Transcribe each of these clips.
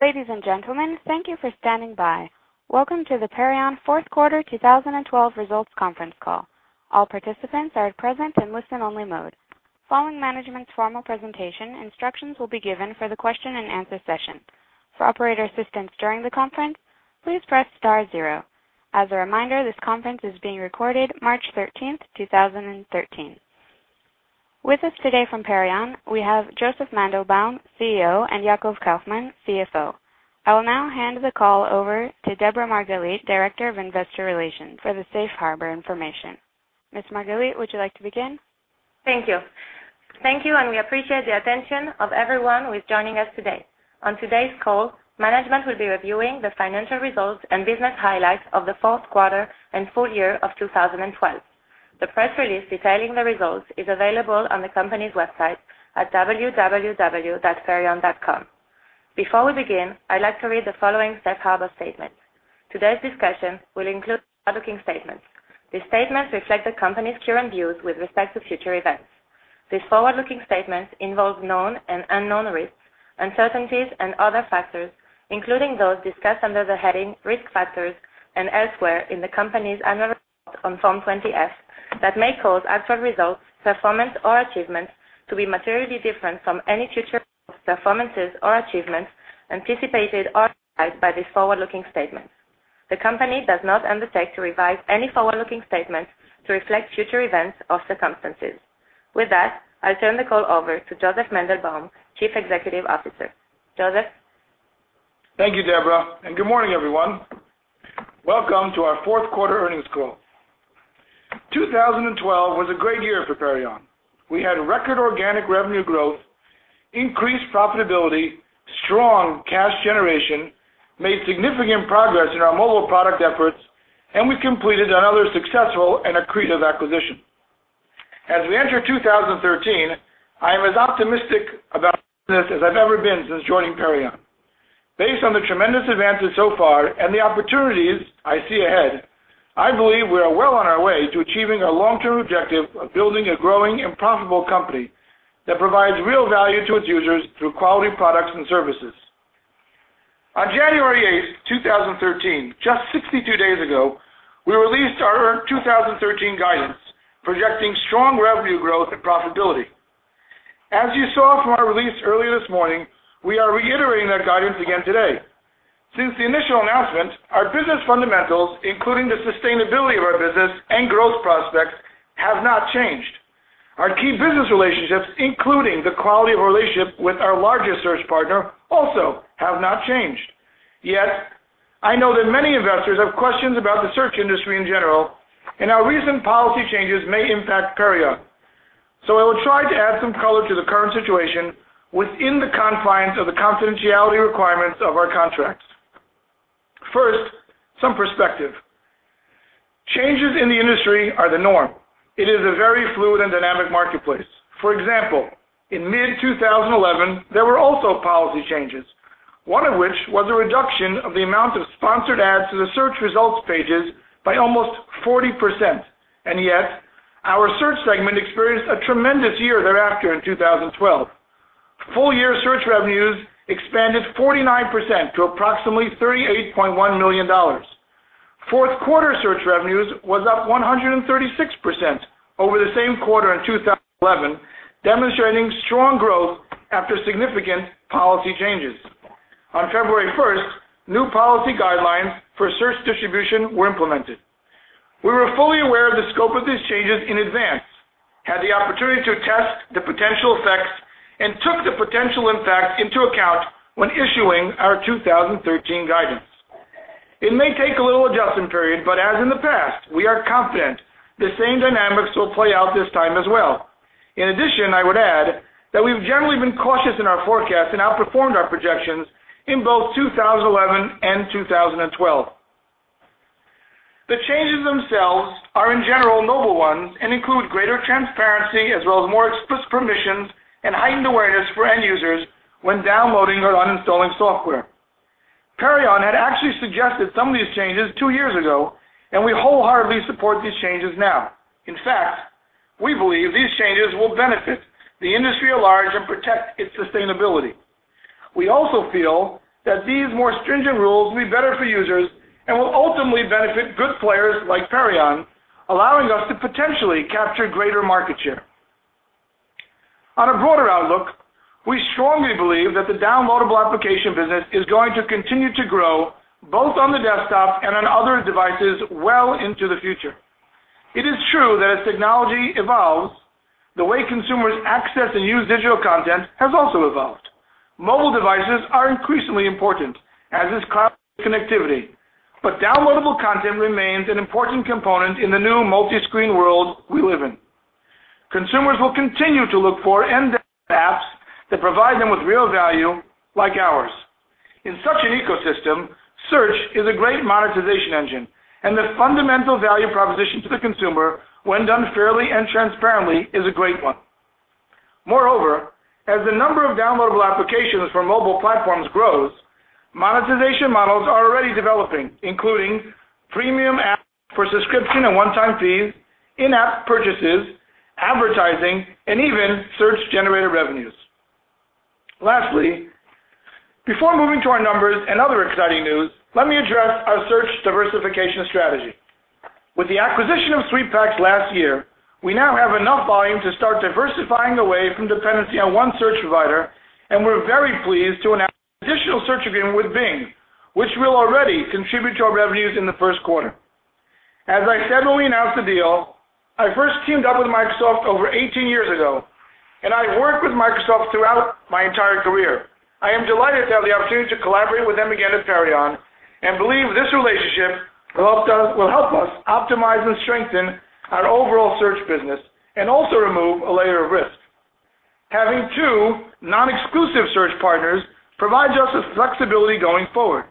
Ladies and gentlemen, thank you for standing by. Welcome to the Perion fourth quarter 2012 results conference call. All participants are at present in listen-only mode. Following management's formal presentation, instructions will be given for the question and answer session. For operator assistance during the conference, please press star zero. As a reminder, this conference is being recorded March 13th, 2013. With us today from Perion, we have Josef Mandelbaum, CEO, and Yacov Kaufman, CFO. I will now hand the call over to Deborah Margalit, Director of Investor Relations for the safe harbor information. Ms. Margalit, would you like to begin? Thank you. Thank you, we appreciate the attention of everyone who is joining us today. On today's call, management will be reviewing the financial results and business highlights of the fourth quarter and full year of 2012. The press release detailing the results is available on the company's website at www.perion.com. Before we begin, I'd like to read the following safe harbor statement. Today's discussion will include forward-looking statements. These statements reflect the company's current views with respect to future events. These forward-looking statements involve known and unknown risks, uncertainties, and other factors, including those discussed under the heading "Risk Factors" and elsewhere in the company's annual report on Form 20-F, that may cause actual results, performance, or achievements to be materially different from any future performances or achievements anticipated or implied by these forward-looking statements. The company does not undertake to revise any forward-looking statements to reflect future events of circumstances. With that, I'll turn the call over to Josef Mandelbaum, Chief Executive Officer. Josef? Thank you, Deborah, good morning, everyone. Welcome to our fourth quarter earnings call. 2012 was a great year for Perion. We had record organic revenue growth, increased profitability, strong cash generation, made significant progress in our mobile product efforts, and we completed another successful and accretive acquisition. As we enter 2013, I am as optimistic about this as I've ever been since joining Perion. Based on the tremendous advances so far and the opportunities I see ahead, I believe we are well on our way to achieving our long-term objective of building a growing and profitable company that provides real value to its users through quality products and services. On January 8th, 2013, just 62 days ago, we released our 2013 guidance, projecting strong revenue growth and profitability. As you saw from our release earlier this morning, we are reiterating that guidance again today. Since the initial announcement, our business fundamentals, including the sustainability of our business and growth prospects, have not changed. Our key business relationships, including the quality of our relationship with our largest search partner, also have not changed. I know that many investors have questions about the search industry in general, and how recent policy changes may impact Perion. I will try to add some color to the current situation within the confines of the confidentiality requirements of our contracts. First, some perspective. Changes in the industry are the norm. It is a very fluid and dynamic marketplace. For example, in mid-2011, there were also policy changes, one of which was a reduction of the amount of sponsored ads to the search results pages by almost 40%, and yet our search segment experienced a tremendous year thereafter in 2012. Full-year search revenues expanded 49% to approximately $38.1 million. Fourth quarter search revenues were up 136% over the same quarter in 2011, demonstrating strong growth after significant policy changes. On February 1st, new policy guidelines for search distribution were implemented. We were fully aware of the scope of these changes in advance, had the opportunity to test the potential effects, and took the potential impacts into account when issuing our 2013 guidance. As in the past, we are confident the same dynamics will play out this time as well. In addition, I would add that we've generally been cautious in our forecasts and outperformed our projections in both 2011 and 2012. The changes themselves are in general noble ones and include greater transparency as well as more explicit permissions and heightened awareness for end users when downloading or uninstalling software. Perion had actually suggested some of these changes two years ago. We wholeheartedly support these changes now. In fact, we believe these changes will benefit the industry at large and protect its sustainability. We also feel that these more stringent rules will be better for users and will ultimately benefit good players like Perion, allowing us to potentially capture greater market share. On a broader outlook, we strongly believe that the downloadable application business is going to continue to grow both on the desktop and on other devices well into the future. It is true that as technology evolves, the way consumers access and use digital content has also evolved. Mobile devices are increasingly important, as is cloud connectivity. Downloadable content remains an important component in the new multi-screen world we live in. Consumers will continue to look for in-depth apps that provide them with real value, like ours. In such an ecosystem, search is a great monetization engine. The fundamental value proposition to the consumer, when done fairly and transparently, is a great one. Moreover, as the number of downloadable applications for mobile platforms grows, monetization models are already developing, including premium apps for subscription and one-time fees, in-app purchases advertising, and even search-generated revenues. Lastly, before moving to our numbers and other exciting news, let me address our search diversification strategy. With the acquisition of SweetPacks last year, we now have enough volume to start diversifying away from dependency on one search provider. We're very pleased to announce an additional search agreement with Bing, which will already contribute to our revenues in the first quarter. As I said when we announced the deal, I first teamed up with Microsoft over 18 years ago, and I worked with Microsoft throughout my entire career. I am delighted to have the opportunity to collaborate with them again at Perion and believe this relationship will help us optimize and strengthen our overall search business and also remove a layer of risk. Having two non-exclusive search partners provides us with flexibility going forward.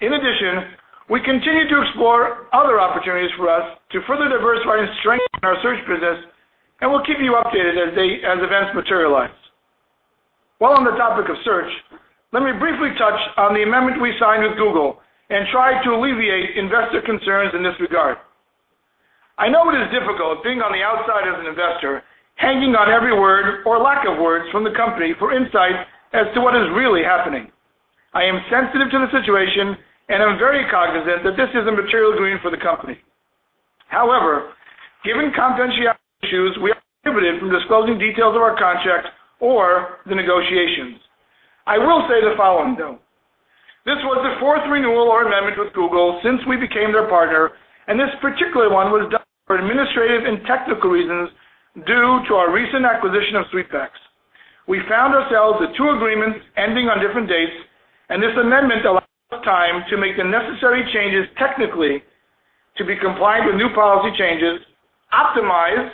In addition, we continue to explore other opportunities for us to further diversify and strengthen our search business, and we'll keep you updated as events materialize. While on the topic of search, let me briefly touch on the amendment we signed with Google and try to alleviate investor concerns in this regard. I know it is difficult being on the outside as an investor, hanging on every word or lack of words from the company for insight as to what is really happening. I am sensitive to the situation, and I'm very cognizant that this is a material agreement for the company. However, given confidentiality issues, we are prohibited from disclosing details of our contract or the negotiations. I will say the following, though. This was the fourth renewal or amendment with Google since we became their partner, and this particular one was done for administrative and technical reasons due to our recent acquisition of SweetPacks. We found ourselves with two agreements ending on different dates, and this amendment allows us time to make the necessary changes technically to be compliant with new policy changes, optimize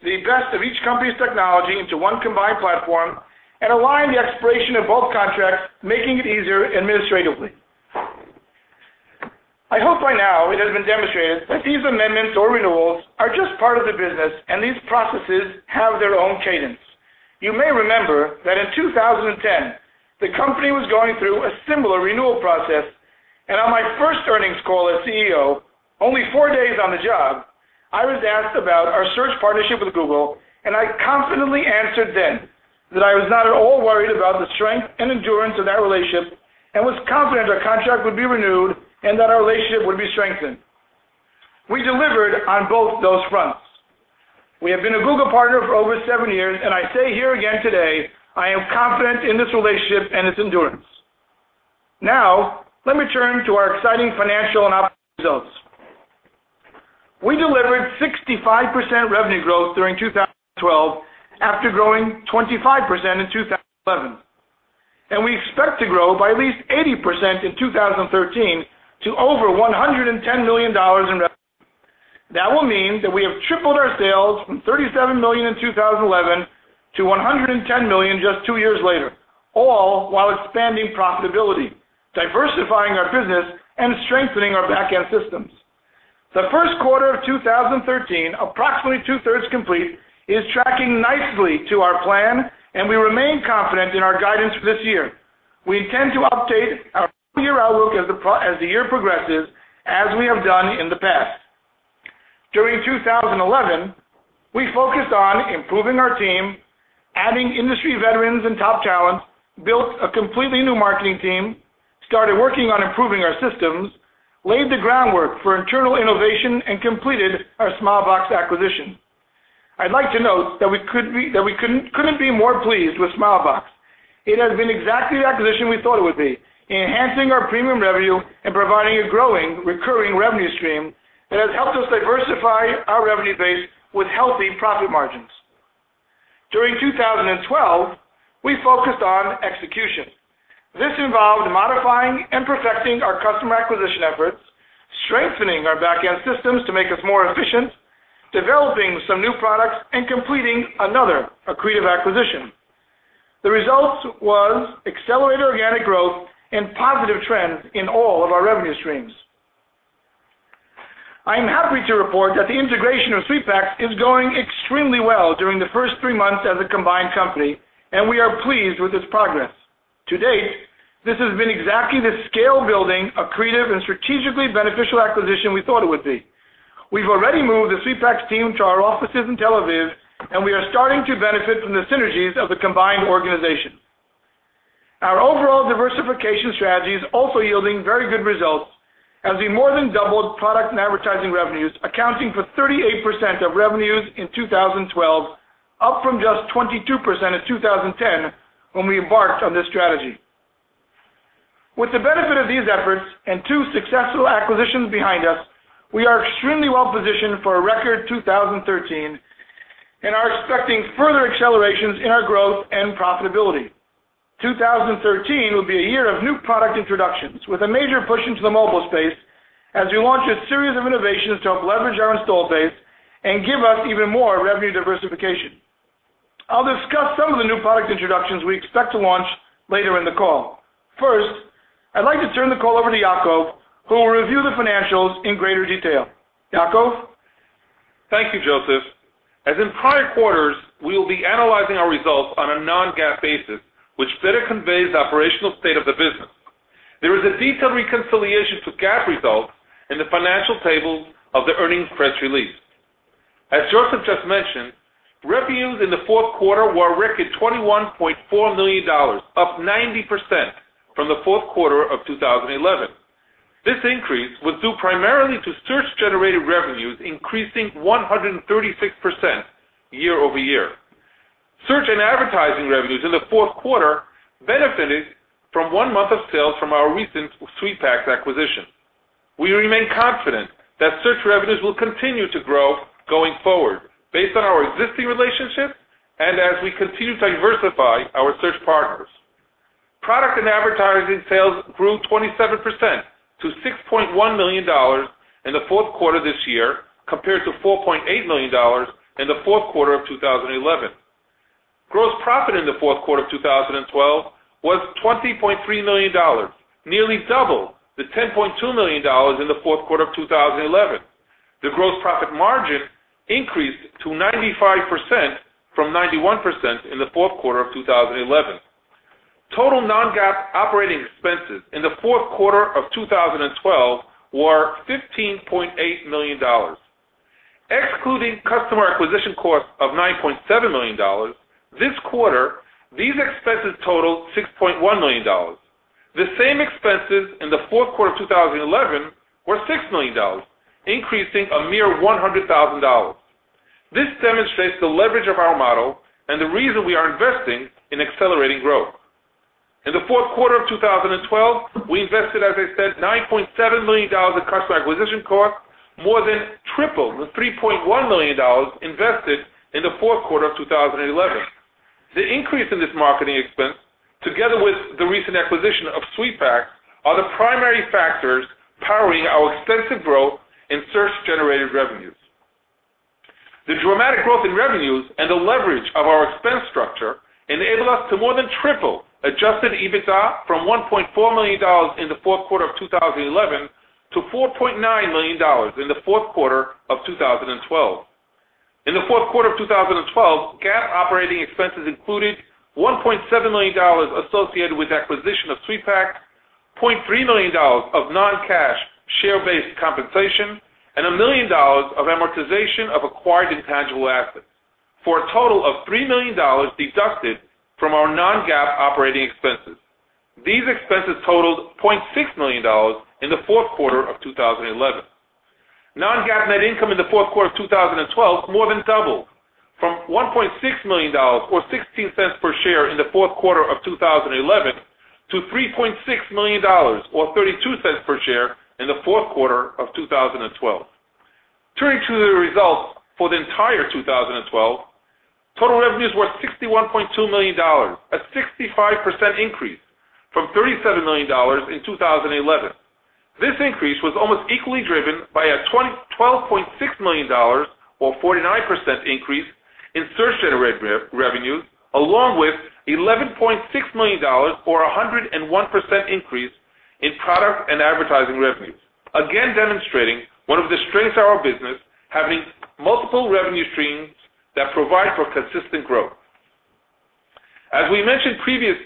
the best of each company's technology into one combined platform, and align the expiration of both contracts, making it easier administratively. I hope by now it has been demonstrated that these amendments or renewals are just part of the business, and these processes have their own cadence. You may remember that in 2010, the company was going through a similar renewal process, and on my first earnings call as CEO, only four days on the job, I was asked about our search partnership with Google, and I confidently answered then that I was not at all worried about the strength and endurance of that relationship and was confident our contract would be renewed and that our relationship would be strengthened. We delivered on both those fronts. We have been a Google partner for over seven years, and I say here again today, I am confident in this relationship and its endurance. Let me turn to our exciting financial and operating results. We delivered 65% revenue growth during 2012 after growing 25% in 2011. We expect to grow by at least 80% in 2013 to over $110 million in revenue. That will mean that we have tripled our sales from $37 million in 2011 to $110 million just two years later, all while expanding profitability, diversifying our business, and strengthening our backend systems. The first quarter of 2013, approximately two-thirds complete, is tracking nicely to our plan, and we remain confident in our guidance for this year. We intend to update our full-year outlook as the year progresses, as we have done in the past. During 2011, we focused on improving our team, adding industry veterans and top talent, built a completely new marketing team, started working on improving our systems, laid the groundwork for internal innovation, and completed our Smilebox acquisition. I'd like to note that we couldn't be more pleased with Smilebox. It has been exactly the acquisition we thought it would be, enhancing our premium revenue and providing a growing recurring revenue stream that has helped us diversify our revenue base with healthy profit margins. During 2012, we focused on execution. This involved modifying and perfecting our customer acquisition efforts, strengthening our backend systems to make us more efficient, developing some new products, and completing another accretive acquisition. The results was accelerated organic growth and positive trends in all of our revenue streams. I am happy to report that the integration of SweetPacks is going extremely well during the first three months as a combined company, and we are pleased with its progress. To date, this has been exactly the scale-building, accretive, and strategically beneficial acquisition we thought it would be. We've already moved the SweetPacks team to our offices in Tel Aviv, and we are starting to benefit from the synergies of the combined organization. Our overall diversification strategy is also yielding very good results as we more than doubled product and advertising revenues, accounting for 38% of revenues in 2012, up from just 22% in 2010 when we embarked on this strategy. With the benefit of these efforts and two successful acquisitions behind us, we are extremely well-positioned for a record 2013 and are expecting further accelerations in our growth and profitability. 2013 will be a year of new product introductions with a major push into the mobile space as we launch a series of innovations to help leverage our install base and give us even more revenue diversification. I'll discuss some of the new product introductions we expect to launch later in the call. First, I'd like to turn the call over to Yacov, who will review the financials in greater detail. Yacov? Thank you, Josef. As in prior quarters, we will be analyzing our results on a non-GAAP basis, which better conveys the operational state of the business. There's a detailed reconciliation to GAAP results in the financial tables of the earnings press release. As Josef just mentioned, revenues in the fourth quarter were a record $21.4 million, up 90% from the fourth quarter of 2011. This increase was due primarily to search-generated revenues increasing 136% year-over-year. Search and advertising revenues in the fourth quarter benefited from one month of sales from our recent SweetPacks acquisition. We remain confident that search revenues will continue to grow going forward based on our existing relationships and as we continue to diversify our search partners. Product and advertising sales grew 27% to $6.1 million in the fourth quarter this year, compared to $4.8 million in the fourth quarter of 2011. Gross profit in the fourth quarter of 2012 was $20.3 million, nearly double the $10.2 million in the fourth quarter of 2011. The gross profit margin increased to 95% from 91% in the fourth quarter of 2011. Total non-GAAP operating expenses in the fourth quarter of 2012 were $15.8 million. Excluding customer acquisition costs of $9.7 million this quarter, these expenses totaled $6.1 million. The same expenses in the fourth quarter of 2011 were $6 million, increasing a mere $100,000. This demonstrates the leverage of our model and the reason we are investing in accelerating growth. In the fourth quarter of 2012, we invested, as I said, $9.7 million in customer acquisition costs, more than triple the $3.1 million invested in the fourth quarter of 2011. The increase in this marketing expense, together with the recent acquisition of SweetPacks, are the primary factors powering our extensive growth in search-generated revenues. The dramatic growth in revenues and the leverage of our expense structure enabled us to more than triple adjusted EBITDA from $1.4 million in the fourth quarter of 2011 to $4.9 million in the fourth quarter of 2012. In the fourth quarter of 2012, GAAP operating expenses included $1.7 million associated with the acquisition of SweetPacks, $0.3 million of non-cash share-based compensation, and $1 million of amortization of acquired intangible assets, for a total of $3 million deducted from our non-GAAP operating expenses. These expenses totaled $0.6 million in the fourth quarter of 2011. Non-GAAP net income in the fourth quarter of 2012 more than doubled, from $1.6 million or $0.16 per share in the fourth quarter of 2011 to $3.6 million or $0.32 per share in the fourth quarter of 2012. Turning to the results for the entire 2012, total revenues were $61.2 million, a 65% increase from $37 million in 2011. This increase was almost equally driven by a $12.6 million or 49% increase in search-generated revenues, along with $11.6 million or 101% increase in product and advertising revenues. Demonstrating one of the strengths of our business, having multiple revenue streams that provide for consistent growth. We mentioned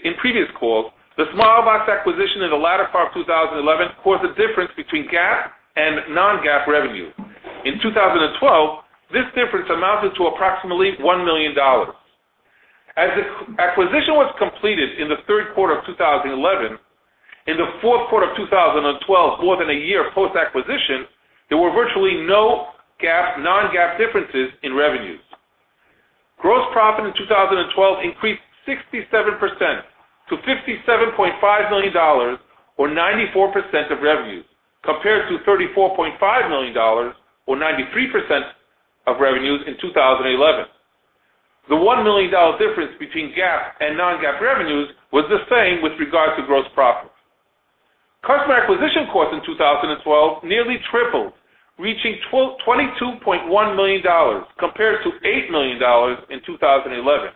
in previous calls, the Smilebox acquisition in the latter part of 2011 caused a difference between GAAP and non-GAAP revenue. In 2012, this difference amounted to approximately $1 million. The acquisition was completed in the third quarter of 2011, in the fourth quarter of 2012, more than a year post-acquisition, there were virtually no GAAP, non-GAAP differences in revenues. Gross profit in 2012 increased 67% to $57.5 million, or 94% of revenues, compared to $34.5 million or 93% of revenues in 2011. The $1 million difference between GAAP and non-GAAP revenues was the same with regard to gross profit. Customer acquisition costs in 2012 nearly tripled, reaching $22.1 million compared to $8 million in 2011.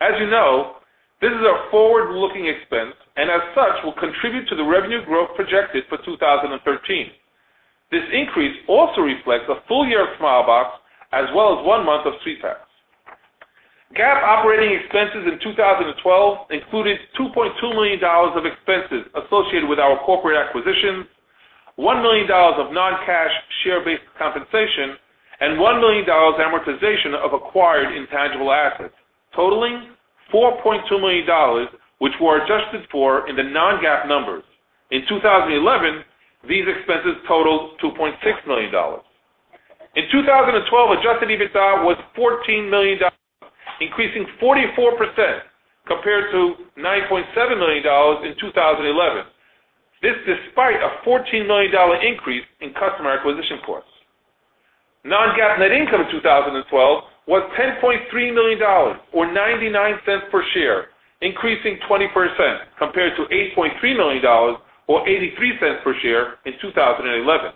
As you know, this is a forward-looking expense, and as such, will contribute to the revenue growth projected for 2013. This increase also reflects a full year of Smilebox as well as one month of SweetPacks. GAAP operating expenses in 2012 included $2.2 million of expenses associated with our corporate acquisition, $1 million of non-cash share-based compensation, and $1 million amortization of acquired intangible assets, totaling $4.2 million, which were adjusted for in the non-GAAP numbers. In 2011, these expenses totaled $2.6 million. In 2012, adjusted EBITDA was $14 million, increasing 44% compared to $9.7 million in 2011. This despite a $14 million increase in customer acquisition costs. Non-GAAP net income in 2012 was $10.3 million or $0.99 per share, increasing 20% compared to $8.3 million or $0.83 per share in 2011.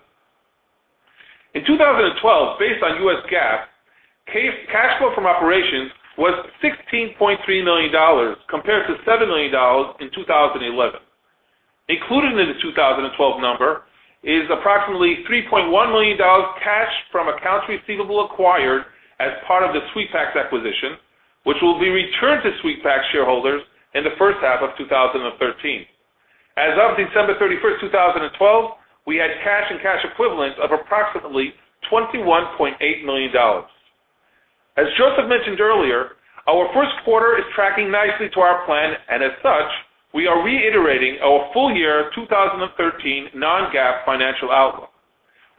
In 2012, based on US GAAP, cash flow from operations was $16.3 million, compared to $7 million in 2011. Included in the 2012 number is approximately $3.1 million cash from accounts receivable acquired as part of the SweetPacks acquisition. Which will be returned to SweetPacks shareholders in the first half of 2013. As of December 31st, 2012, we had cash and cash equivalents of approximately $21.8 million. As Josef mentioned earlier, our first quarter is tracking nicely to our plan. As such, we are reiterating our full year 2013 non-GAAP financial outlook.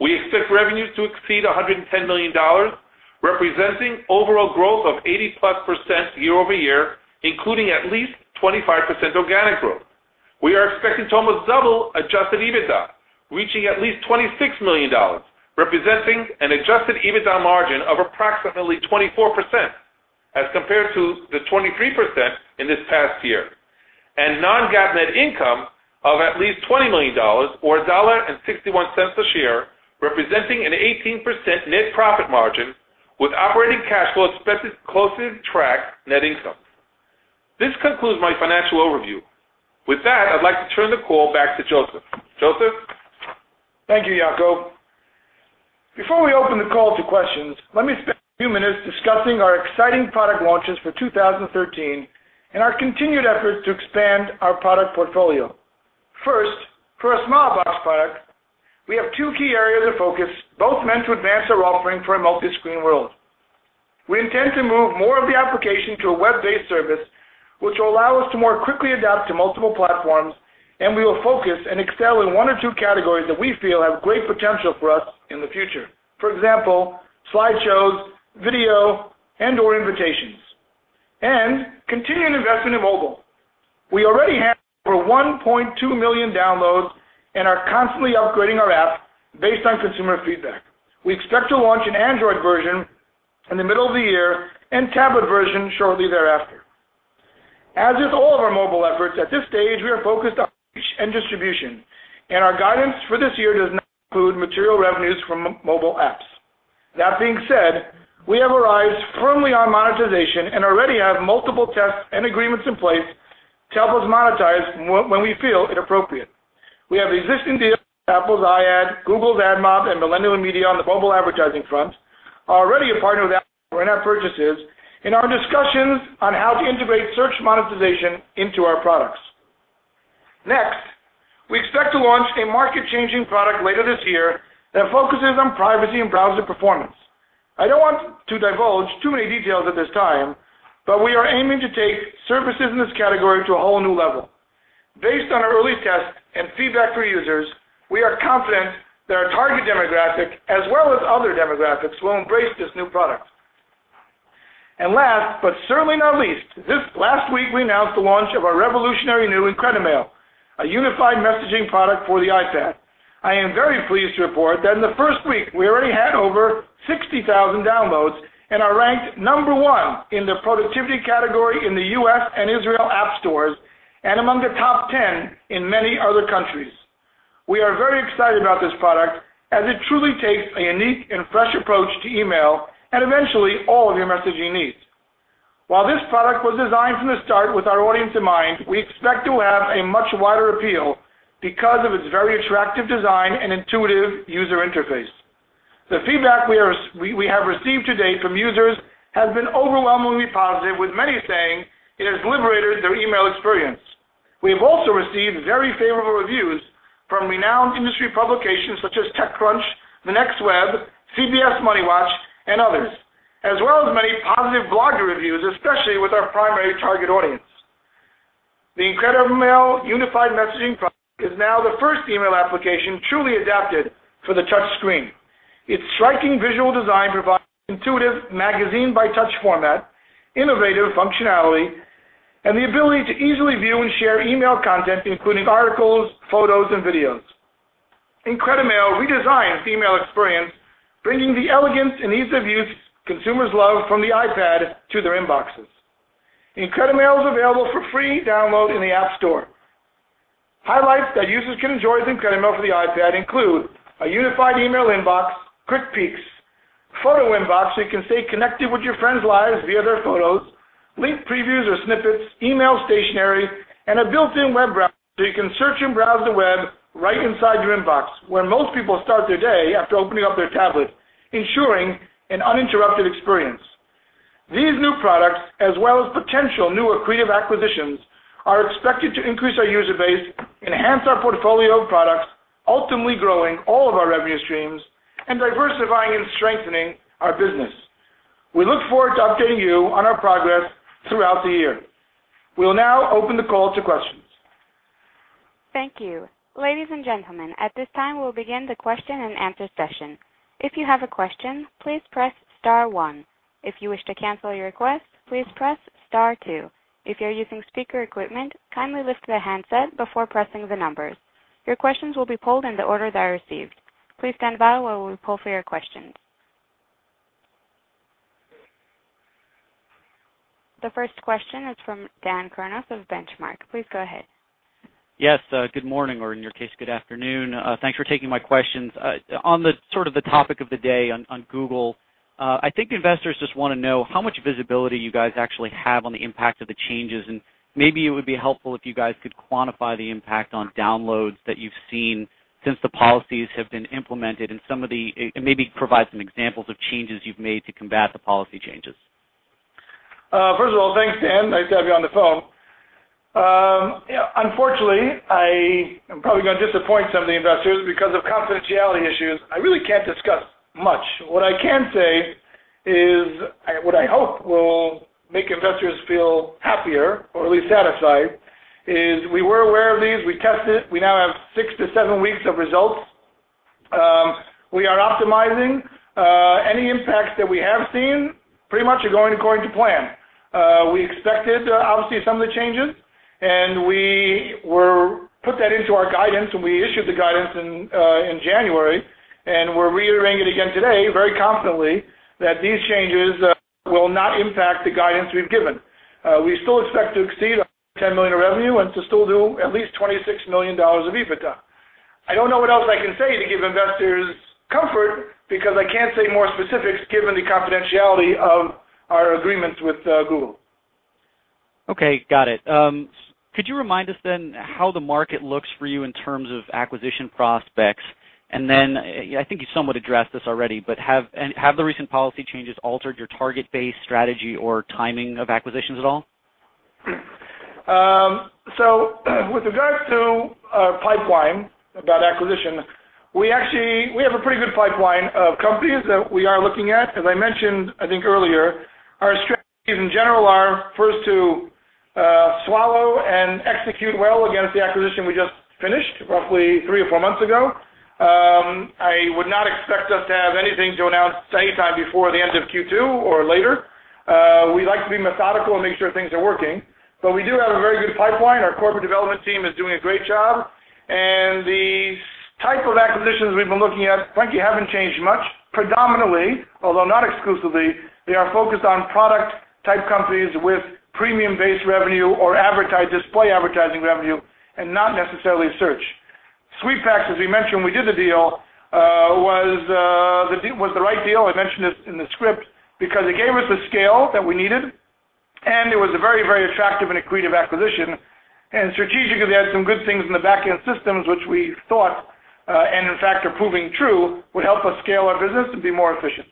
We expect revenues to exceed $110 million, representing overall growth of 80%+ year-over-year, including at least 25% organic growth. We are expecting to almost double adjusted EBITDA, reaching at least $26 million, representing an adjusted EBITDA margin of approximately 24%, as compared to the 23% in this past year, and non-GAAP net income of at least $20 million or $1.61 a share, representing an 18% net profit margin, with operating cash flow expected to closely track net income. This concludes my financial overview. With that, I'd like to turn the call back to Josef. Josef? Thank you, Yacov. Before we open the call to questions, let me spend a few minutes discussing our exciting product launches for 2013 and our continued efforts to expand our product portfolio. First, for our Smilebox product, we have two key areas of focus, both meant to advance our offering for a multi-screen world. We intend to move more of the application to a web-based service, which will allow us to more quickly adapt to multiple platforms. We will focus and excel in one or two categories that we feel have great potential for us in the future. For example, slideshows, video, and/or invitations. Continue investment in mobile. We already have over 1.2 million downloads and are constantly upgrading our app based on consumer feedback. We expect to launch an Android version in the middle of the year and tablet version shortly thereafter. As with all of our mobile efforts, at this stage, we are focused on reach and distribution. Our guidance for this year does not include material revenues from mobile apps. That being said, we have our eyes firmly on monetization. Already have multiple tests and agreements in place to help us monetize when we feel it appropriate. We have existing deals with Apple's iAd, Google's AdMob, and Millennial Media on the mobile advertising front. Are already a partner with Apple for in-app purchases. Are in discussions on how to integrate search monetization into our products. Next, we expect to launch a market-changing product later this year that focuses on privacy and browser performance. I don't want to divulge too many details at this time. We are aiming to take services in this category to a whole new level. Based on our early tests and feedback from users, we are confident that our target demographic, as well as other demographics, will embrace this new product. Last, but certainly not least, this last week we announced the launch of our revolutionary new IncrediMail, a unified messaging product for the iPad. I am very pleased to report that in the first week, we already had over 60,000 downloads and are ranked number one in the productivity category in the U.S. and Israel App Stores, and among the top 10 in many other countries. We are very excited about this product, as it truly takes a unique and fresh approach to email and eventually all of your messaging needs. While this product was designed from the start with our audience in mind, we expect to have a much wider appeal because of its very attractive design and intuitive user interface. The feedback we have received to date from users has been overwhelmingly positive, with many saying it has liberated their email experience. We have also received very favorable reviews from renowned industry publications such as TechCrunch, The Next Web, CBS MoneyWatch, and others, as well as many positive blogger reviews, especially with our primary target audience. The IncrediMail unified messaging product is now the first email application truly adapted for the touch screen. Its striking visual design provides intuitive magazine-by-touch format, innovative functionality, and the ability to easily view and share email content, including articles, photos, and videos. IncrediMail redesigns the email experience, bringing the elegance and ease of use consumers love from the iPad to their inboxes. IncrediMail is available for free download in the App Store. Highlights that users can enjoy with IncrediMail for the iPad include a unified email inbox, quick peeks, photo inbox, so you can stay connected with your friends' lives via their photos, link previews or snippets, email stationery, and a built-in web browser so you can search and browse the web right inside your inbox, where most people start their day after opening up their tablet, ensuring an uninterrupted experience. These new products, as well as potential new accretive acquisitions, are expected to increase our user base, enhance our portfolio of products, ultimately growing all of our revenue streams and diversifying and strengthening our business. We look forward to updating you on our progress throughout the year. We'll now open the call to questions. Thank you. Ladies and gentlemen, at this time, we'll begin the question-and-answer session. If you have a question, please press *1. If you wish to cancel your request, please press *2. If you're using speaker equipment, kindly lift the handset before pressing the numbers. Your questions will be pulled in the order they are received. Please stand by while we pull for your questions. The first question is from Dan Kurnos of Benchmark. Please go ahead. Yes. Good morning, or in your case, good afternoon. Thanks for taking my questions. On the topic of the day on Google, I think investors just want to know how much visibility you guys actually have on the impact of the changes, and maybe it would be helpful if you guys could quantify the impact on downloads that you've seen since the policies have been implemented, and maybe provide some examples of changes you've made to combat the policy changes. First of all, thanks, Dan. Nice to have you on the phone. Unfortunately, I am probably going to disappoint some of the investors because of confidentiality issues, I really can't discuss much. What I can say is what I hope will make investors feel happier or at least satisfied, is we were aware of these. We tested. We now have six to seven weeks of results. We are optimizing. Any impacts that we have seen pretty much are going according to plan. We expected, obviously, some of the changes, and we put that into our guidance when we issued the guidance in January. We're reiterating it again today very confidently that these changes will not impact the guidance we've given. We still expect to exceed our $110 million revenue and to still do at least $26 million of EBITDA. I don't know what else I can say to give investors comfort, because I can't say more specifics given the confidentiality of our agreements with Google. Okay, got it. Could you remind us then how the market looks for you in terms of acquisition prospects? I think you somewhat addressed this already, but have the recent policy changes altered your target base strategy or timing of acquisitions at all? With regards to pipeline about acquisition, we have a pretty good pipeline of companies that we are looking at. As I mentioned, I think earlier, our strategies in general are first to swallow and execute well against the acquisition we just finished roughly three or four months ago. I would not expect us to have anything to announce any time before the end of Q2 or later. We like to be methodical and make sure things are working. We do have a very good pipeline. Our corporate development team is doing a great job, and the type of acquisitions we've been looking at, frankly, haven't changed much. Predominantly, although not exclusively, they are focused on product-type companies with premium-based revenue or display advertising revenue, and not necessarily search. SweetPacks, as we mentioned when we did the deal, was the right deal. I mentioned it in the script because it gave us the scale that we needed, and it was a very attractive and accretive acquisition, and strategic because they had some good things in the back-end systems which we thought, and in fact are proving true, would help us scale our business and be more efficient.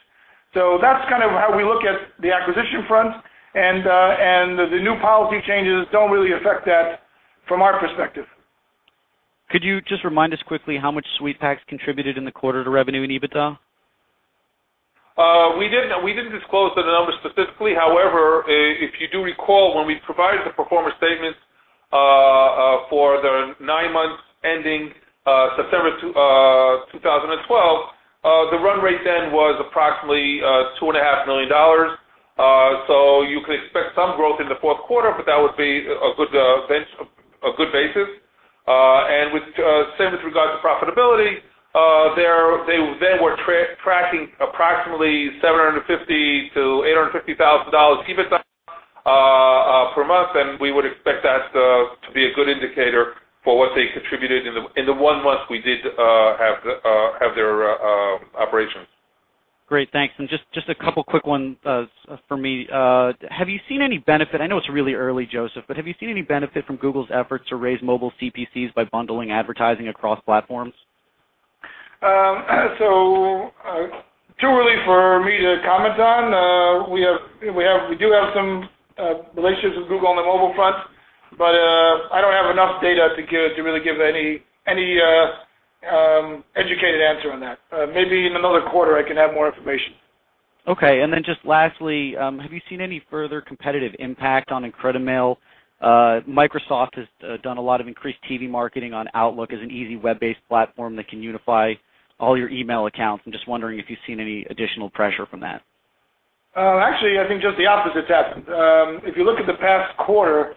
That's kind of how we look at the acquisition front, the new policy changes don't really affect that from our perspective. Could you just remind us quickly how much SweetPacks contributed in the quarter to revenue and EBITDA? We didn't disclose the numbers specifically. However, if you do recall, when we provided the pro forma statements for the nine months ending September 2012, the run rate then was approximately $2.5 million. You could expect some growth in the fourth quarter, that would be a good basis. Same with regards to profitability. They were tracking approximately $750,000-$850,000 EBITDA per month, and we would expect that to be a good indicator for what they contributed in the one month we did have their operations. Great, thanks. Just a couple quick ones for me. Have you seen any benefit, I know it's really early, Josef, but have you seen any benefit from Google's efforts to raise mobile CPCs by bundling advertising across platforms? Too early for me to comment on. We do have some relationships with Google on the mobile front, but I don't have enough data to really give any educated answer on that. Maybe in another quarter I can have more information. Okay, just lastly, have you seen any further competitive impact on IncrediMail? Microsoft has done a lot of increased TV marketing on Outlook as an easy web-based platform that can unify all your email accounts. I'm just wondering if you've seen any additional pressure from that. Actually, I think just the opposite happened. If you look at the past quarter,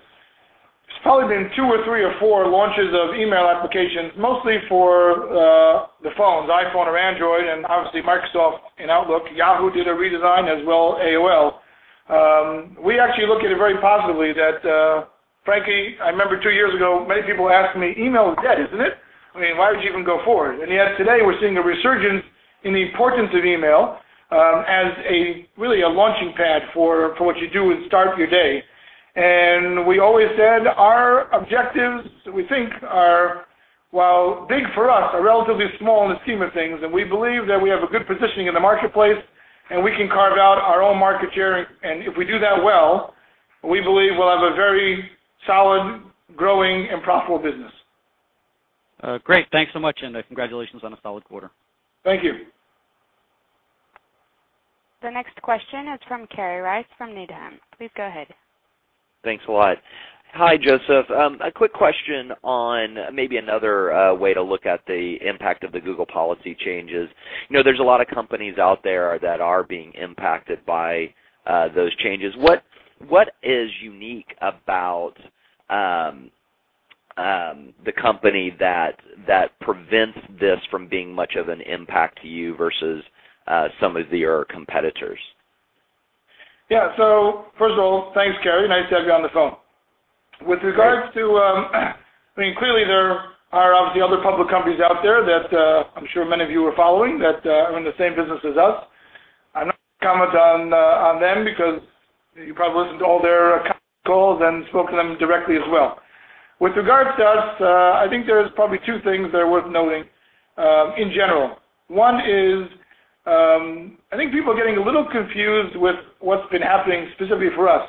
there's probably been two or three or four launches of email applications, mostly for the phones, iPhone or Android, and obviously Microsoft and Outlook. Yahoo did a redesign as well, AOL. We actually look at it very positively that, frankly, I remember two years ago, many people were asking me, "Email is dead, isn't it? I mean, why would you even go forward?" Yet today we're seeing a resurgence in the importance of email, as really a launching pad for what you do and start your day. We always said our objectives, we think are, while big for us, are relatively small in the scheme of things, and we believe that we have a good positioning in the marketplace, and we can carve out our own market share. If we do that well, we believe we'll have a very solid, growing, and profitable business. Great. Thanks so much, and congratulations on a solid quarter. Thank you. The next question is from Kerry Rice from Needham. Please go ahead. Thanks a lot. Hi, Josef. A quick question on maybe another way to look at the impact of the Google policy changes. There's a lot of companies out there that are being impacted by those changes. What is unique about the company that prevents this from being much of an impact to you versus some of your competitors? Yeah. First of all, thanks, Kerry. Nice to have you on the phone. Great. I mean, clearly there are obviously other public companies out there that I'm sure many of you are following that are in the same business as us. I'm not going to comment on them because you probably listened to all their conference calls and spoken to them directly as well. With regards to us, I think there's probably two things that are worth noting in general. One is, I think people are getting a little confused with what's been happening specifically for us.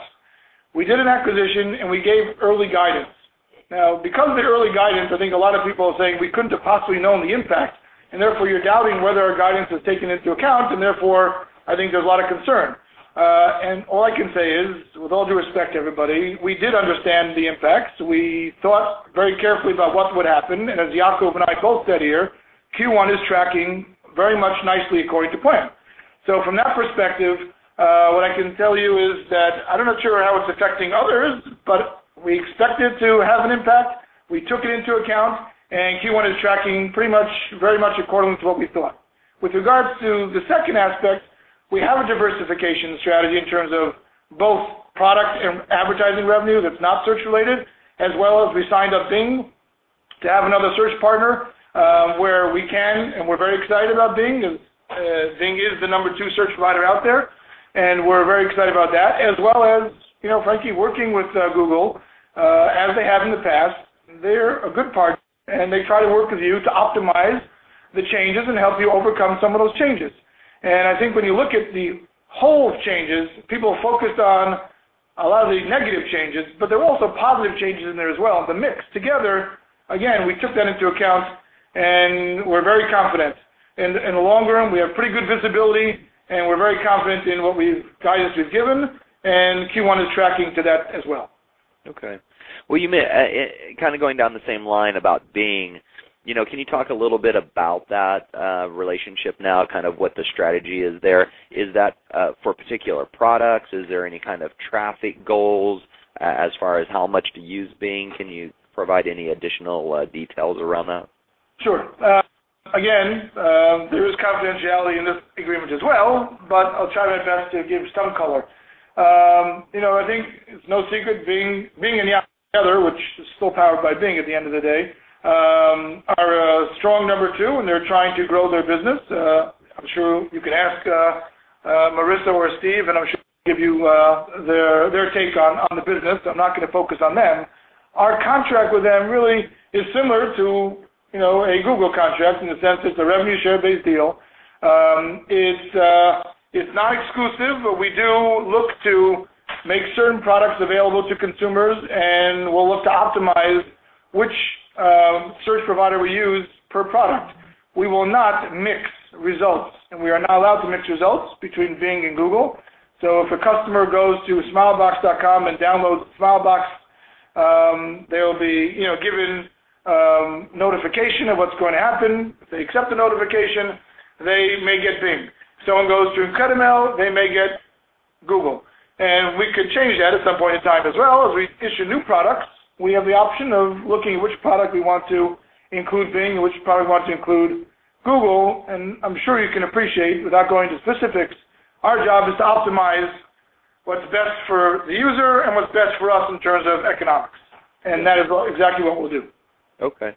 We did an acquisition. We gave early guidance. Now, because of the early guidance, I think a lot of people are saying we couldn't have possibly known the impact. Therefore you're doubting whether our guidance was taken into account. Therefore, I think there's a lot of concern. All I can say is, with all due respect to everybody, we did understand the impacts. We thought very carefully about what would happen. As Yacov and I both said here, Q1 is tracking very much nicely according to plan. From that perspective, what I can tell you is that I'm not sure how it's affecting others, but we expect it to have an impact. We took it into account. Q1 is tracking pretty much according to what we thought. With regards to the second aspect, we have a diversification strategy in terms of both product and advertising revenue that's not search related, as well as we signed up Bing to have another search partner, where we can, and we're very excited about Bing. Bing is the number two search provider out there, and we're very excited about that. Frankly, working with Google, as they have in the past. They're a good partner, they try to work with you to optimize the changes and help you overcome some of those changes. I think when you look at the whole of changes, people focus on a lot of these negative changes, there are also positive changes in there as well. It's a mix. Together, again, we took that into account, and we're very confident. In the long run, we have pretty good visibility, and we're very confident in what guidance we've given, and Q1 is tracking to that as well. Okay. Well, you mentioned, kind of going down the same line about Bing. Can you talk a little bit about that relationship now, kind of what the strategy is there? Is that for particular products? Is there any kind of traffic goals as far as how much to use Bing? Can you provide any additional details around that? Sure. Again, there is confidentiality in this agreement as well. I'll try my best to give some color. I think it's no secret Bing and Yahoo together, which is still powered by Bing at the end of the day, are a strong number two, they're trying to grow their business. I'm sure you can ask Marissa or Steve. I'm sure they'll give you their take on the business. I'm not going to focus on them. Our contract with them really is similar to a Google contract in the sense it's a revenue share-based deal. It's not exclusive, we do look to make certain products available to consumers, we'll look to optimize which search provider we use per product. We will not mix results, we are not allowed to mix results between Bing and Google. If a customer goes to Smilebox and downloads Smilebox, they'll be given notification of what's going to happen. If they accept the notification, they may get Binged. If someone goes through IncrediMail, they may get Google. We could change that at some point in time as well. As we issue new products, we have the option of looking at which product we want to include Bing and which product we want to include Google. I'm sure you can appreciate, without going into specifics, our job is to optimize what's best for the user and what's best for us in terms of economics, and that is exactly what we'll do. Okay.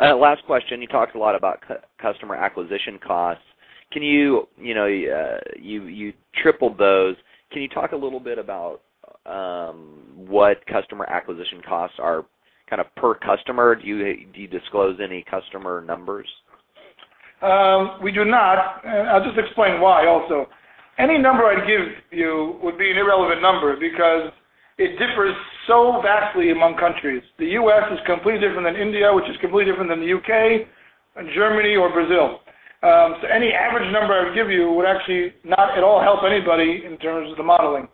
Last question. You talked a lot about customer acquisition costs. You tripled those. Can you talk a little bit about what customer acquisition costs are per customer? Do you disclose any customer numbers? We do not. I'll just explain why also. Any number I'd give you would be an irrelevant number because it differs so vastly among countries. The U.S. is completely different than India, which is completely different than the U.K., and Germany or Brazil. Any average number I would give you would actually not at all help anybody in terms of the modeling.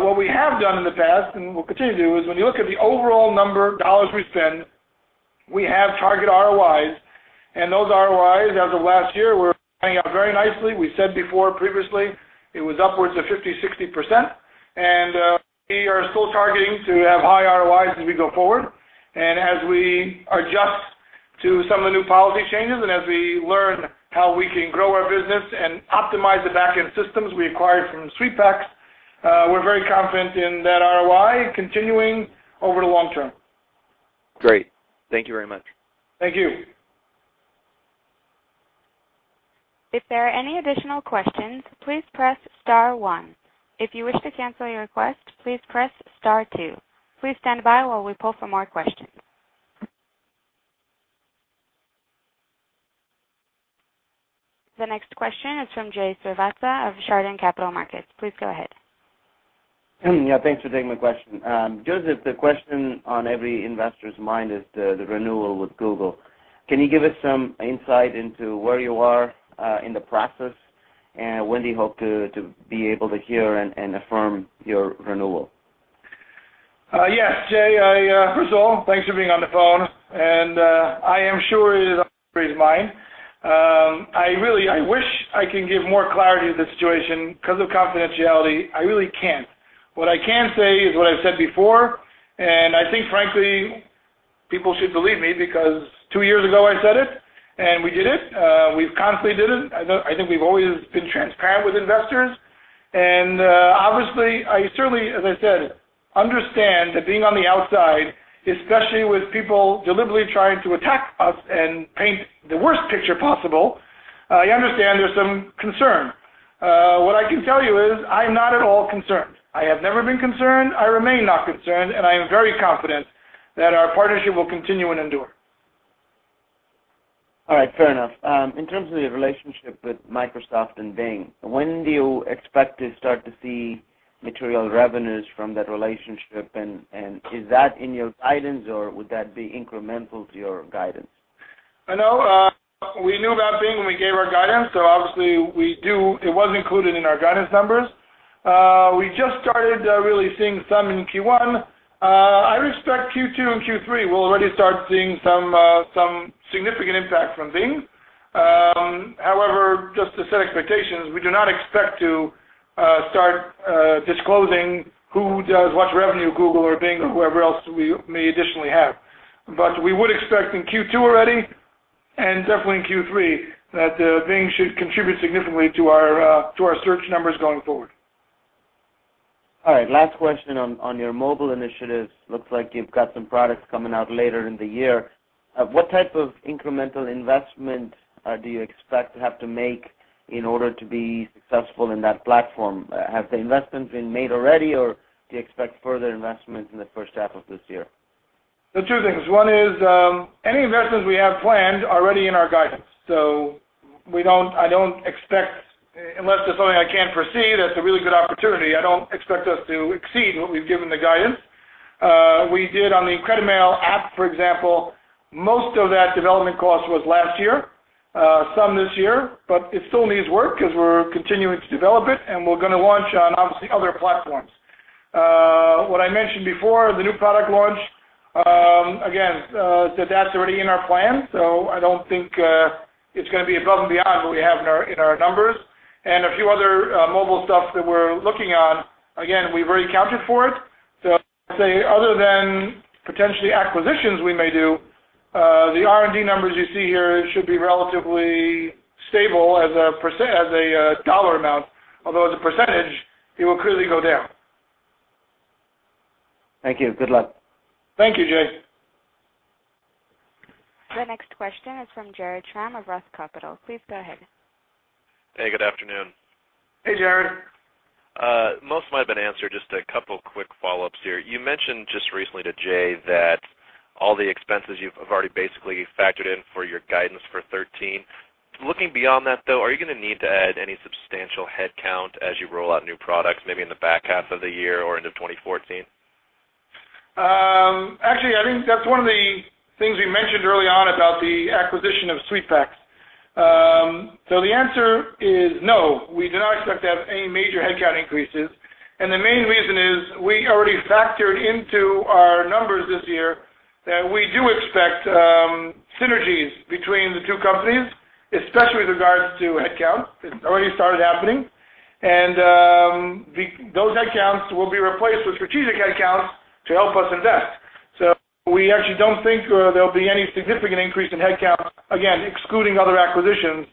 What we have done in the past, and we'll continue to do, is when you look at the overall number of dollars we spend, we have target ROIs, and those ROIs, as of last year, were paying out very nicely. We said before previously, it was upwards of 50%-60%, and we are still targeting to have high ROIs as we go forward. As we adjust to some of the new policy changes and as we learn how we can grow our business and optimize the backend systems we acquired from SweetPacks, we're very confident in that ROI continuing over the long term. Great. Thank you very much. Thank you. If there are any additional questions, please press star one. If you wish to cancel your request, please press star two. Please stand by while we pull for more questions. The next question is from Jay Srivatsa of Chardan Capital Markets. Please go ahead. Yeah. Thanks for taking my question. Josef, the question on every investor's mind is the renewal with Google. Can you give us some insight into where you are in the process, and when do you hope to be able to hear and affirm your renewal? Yes, Jay. First of all, thanks for being on the phone, and I am sure it is on everybody's mind. I wish I could give more clarity to the situation. Because of confidentiality, I really can't. What I can say is what I've said before, and I think frankly, people should believe me because two years ago I said it, and we did it. We've constantly did it. I think we've always been transparent with investors. Obviously, I certainly, as I said, understand that being on the outside, especially with people deliberately trying to attack us and paint the worst picture possible, I understand there's some concern. What I can tell you is I'm not at all concerned. I have never been concerned. I remain not concerned, and I am very confident that our partnership will continue and endure. All right. Fair enough. In terms of your relationship with Microsoft and Bing, when do you expect to start to see material revenues from that relationship? Is that in your guidance, or would that be incremental to your guidance? I know. We knew about Bing when we gave our guidance, obviously it was included in our guidance numbers. We just started really seeing some in Q1. I expect Q2 and Q3, we'll already start seeing some significant impact from Bing. However, just to set expectations, we do not expect to start disclosing who does what revenue, Google or Bing or whoever else we may additionally have. We would expect in Q2 already, and definitely in Q3, that Bing should contribute significantly to our search numbers going forward. All right. Last question on your mobile initiatives. Looks like you've got some products coming out later in the year. What type of incremental investment do you expect to have to make in order to be successful in that platform? Have the investments been made already, or do you expect further investments in the first half of this year? Two things. One is, any investments we have planned are already in our guidance. I don't expect, unless there's something I can't foresee that's a really good opportunity, I don't expect us to exceed what we've given the guidance. We did on the IncrediMail app, for example, most of that development cost was last year, some this year, but it still needs work because we're continuing to develop it, and we're going to launch on, obviously, other platforms. What I mentioned before, the new product launch, again, that's already in our plan. I don't think it's going to be above and beyond what we have in our numbers. A few other mobile stuff that we're looking on, again, we've already accounted for it. I'd say other than potentially acquisitions we may do, the R&D numbers you see here should be relatively stable as a dollar amount, although as a percentage, it will clearly go down. Thank you. Good luck. Thank you, Jay. The next question is from [Jared Tram] of Roth Capital. Please go ahead. Hey, good afternoon. Hey, Jared. Most of mine have been answered. Just a couple quick follow-ups here. You mentioned just recently to Jay that all the expenses you've already basically factored in for your guidance for 2013. Looking beyond that, though, are you going to need to add any substantial headcount as you roll out new products, maybe in the back half of the year or into 2014? Actually, I think that's one of the things we mentioned early on about the acquisition of SweetPacks. The answer is no, we do not expect to have any major headcount increases. The main reason is we already factored into our numbers this year that we do expect synergies between the two companies, especially with regards to headcount. It's already started happening. Those headcounts will be replaced with strategic headcounts to help us invest. We actually don't think there'll be any significant increase in headcount, again, excluding other acquisitions,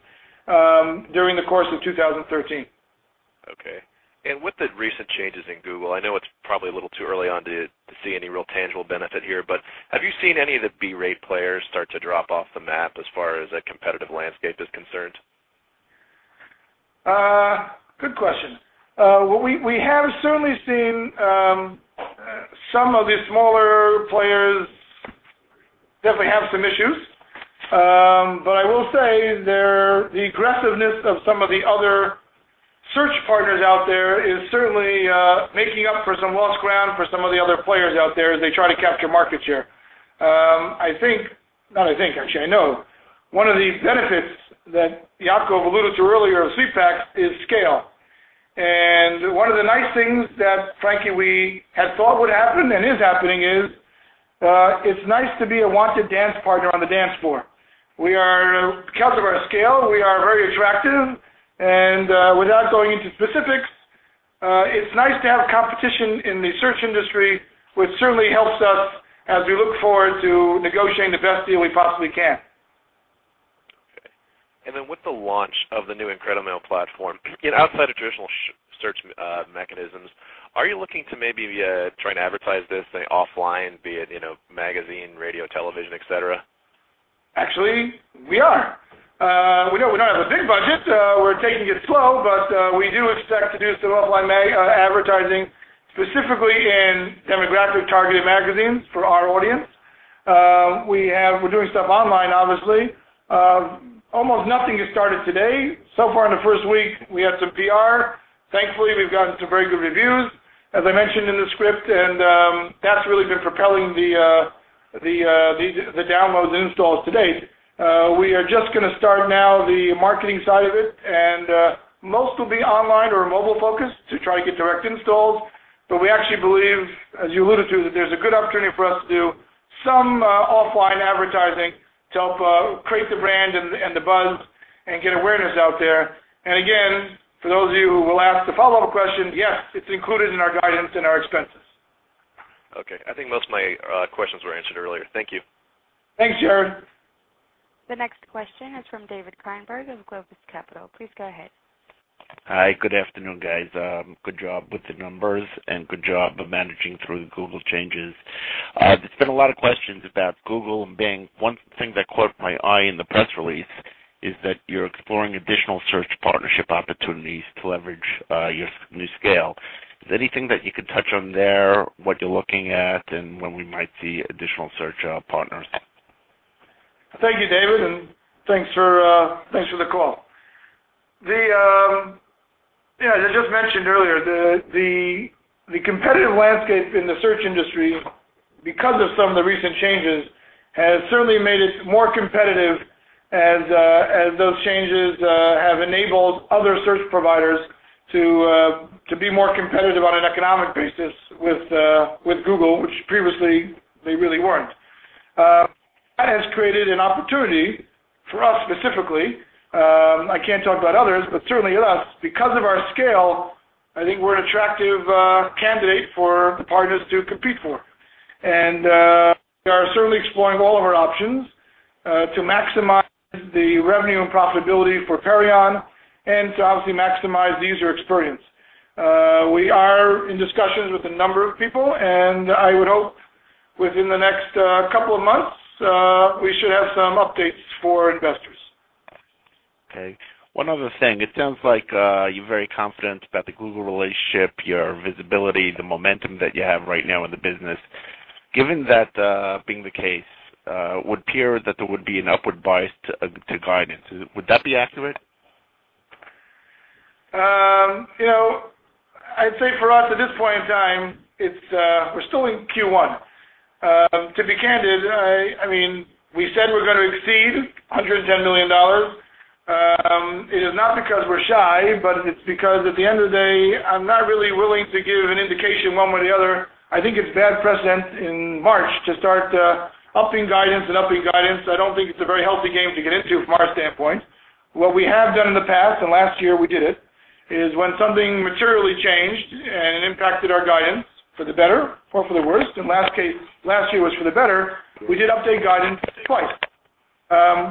during the course of 2013. Okay. With the recent changes in Google, I know it's probably a little too early on to see any real tangible benefit here, but have you seen any of the B-rate players start to drop off the map as far as the competitive landscape is concerned? Good question. We have certainly seen some of the smaller players definitely have some issues. I will say the aggressiveness of some of the other search partners out there is certainly making up for some lost ground for some of the other players out there as they try to capture market share. Actually, I know one of the benefits that Yacov alluded to earlier of SweetPacks is scale. One of the nice things that, frankly, we had thought would happen and is happening is, it's nice to be a wanted dance partner on the dance floor. Because of our scale, we are very attractive. Without going into specifics, it's nice to have competition in the search industry, which certainly helps us as we look forward to negotiating the best deal we possibly can. Okay. With the launch of the new IncrediMail platform, outside of traditional search mechanisms, are you looking to maybe try and advertise this offline, be it magazine, radio, television, et cetera? Actually, we are. We know we don't have a big budget, so we're taking it slow. We do expect to do some offline advertising, specifically in demographically targeted magazines for our audience. We're doing stuff online, obviously. Almost nothing has started today. In the first week, we have some PR. Thankfully, we've gotten some very good reviews, as I mentioned in the script, that's really been propelling the downloads and installs to date. We are just going to start now the marketing side of it, and most will be online or mobile-focused to try to get direct installs. We actually believe, as you alluded to, that there's a good opportunity for us to do some offline advertising to help create the brand and the buzz and get awareness out there. Again, for those of you who will ask the follow-up question, yes, it's included in our guidance and our expenses. Okay. I think most of my questions were answered earlier. Thank you. Thanks, Jared. The next question is from David Kleinberg of Globus Capital. Please go ahead. Hi, good afternoon, guys. Good job with the numbers, and good job of managing through the Google changes. There's been a lot of questions about Google and Bing. One thing that caught my eye in the press release is that you're exploring additional search partnership opportunities to leverage your new scale. Is there anything that you could touch on there, what you're looking at, and when we might see additional search partners? Thank you, David, and thanks for the call. As I just mentioned earlier, the competitive landscape in the search industry, because of some of the recent changes, has certainly made it more competitive as those changes have enabled other search providers to be more competitive on an an economic basis with Google, which previously they really weren't. That has created an opportunity for us specifically. I can't talk about others, but certainly us, because of our scale, I think we're an attractive candidate for partners to compete for. We are certainly exploring all of our options to maximize the revenue and profitability for Perion and to obviously maximize the user experience. We are in discussions with a number of people, and I would hope within the next couple of months, we should have some updates for investors. Okay. One other thing. It sounds like you're very confident about the Google relationship, your visibility, the momentum that you have right now in the business. Given that being the case, would appear that there would be an upward bias to guidance. Would that be accurate? I'd say for us at this point in time, we're still in Q1. To be candid, we said we're going to exceed $110 million. It is not because we're shy, but it's because at the end of the day, I'm not really willing to give an indication one way or the other. I think it's bad precedent in March to start upping guidance and upping guidance. I don't think it's a very healthy game to get into from our standpoint. Last year we did it, is when something materially changed and it impacted our guidance for the better or for the worst, and last year was for the better, we did update guidance twice.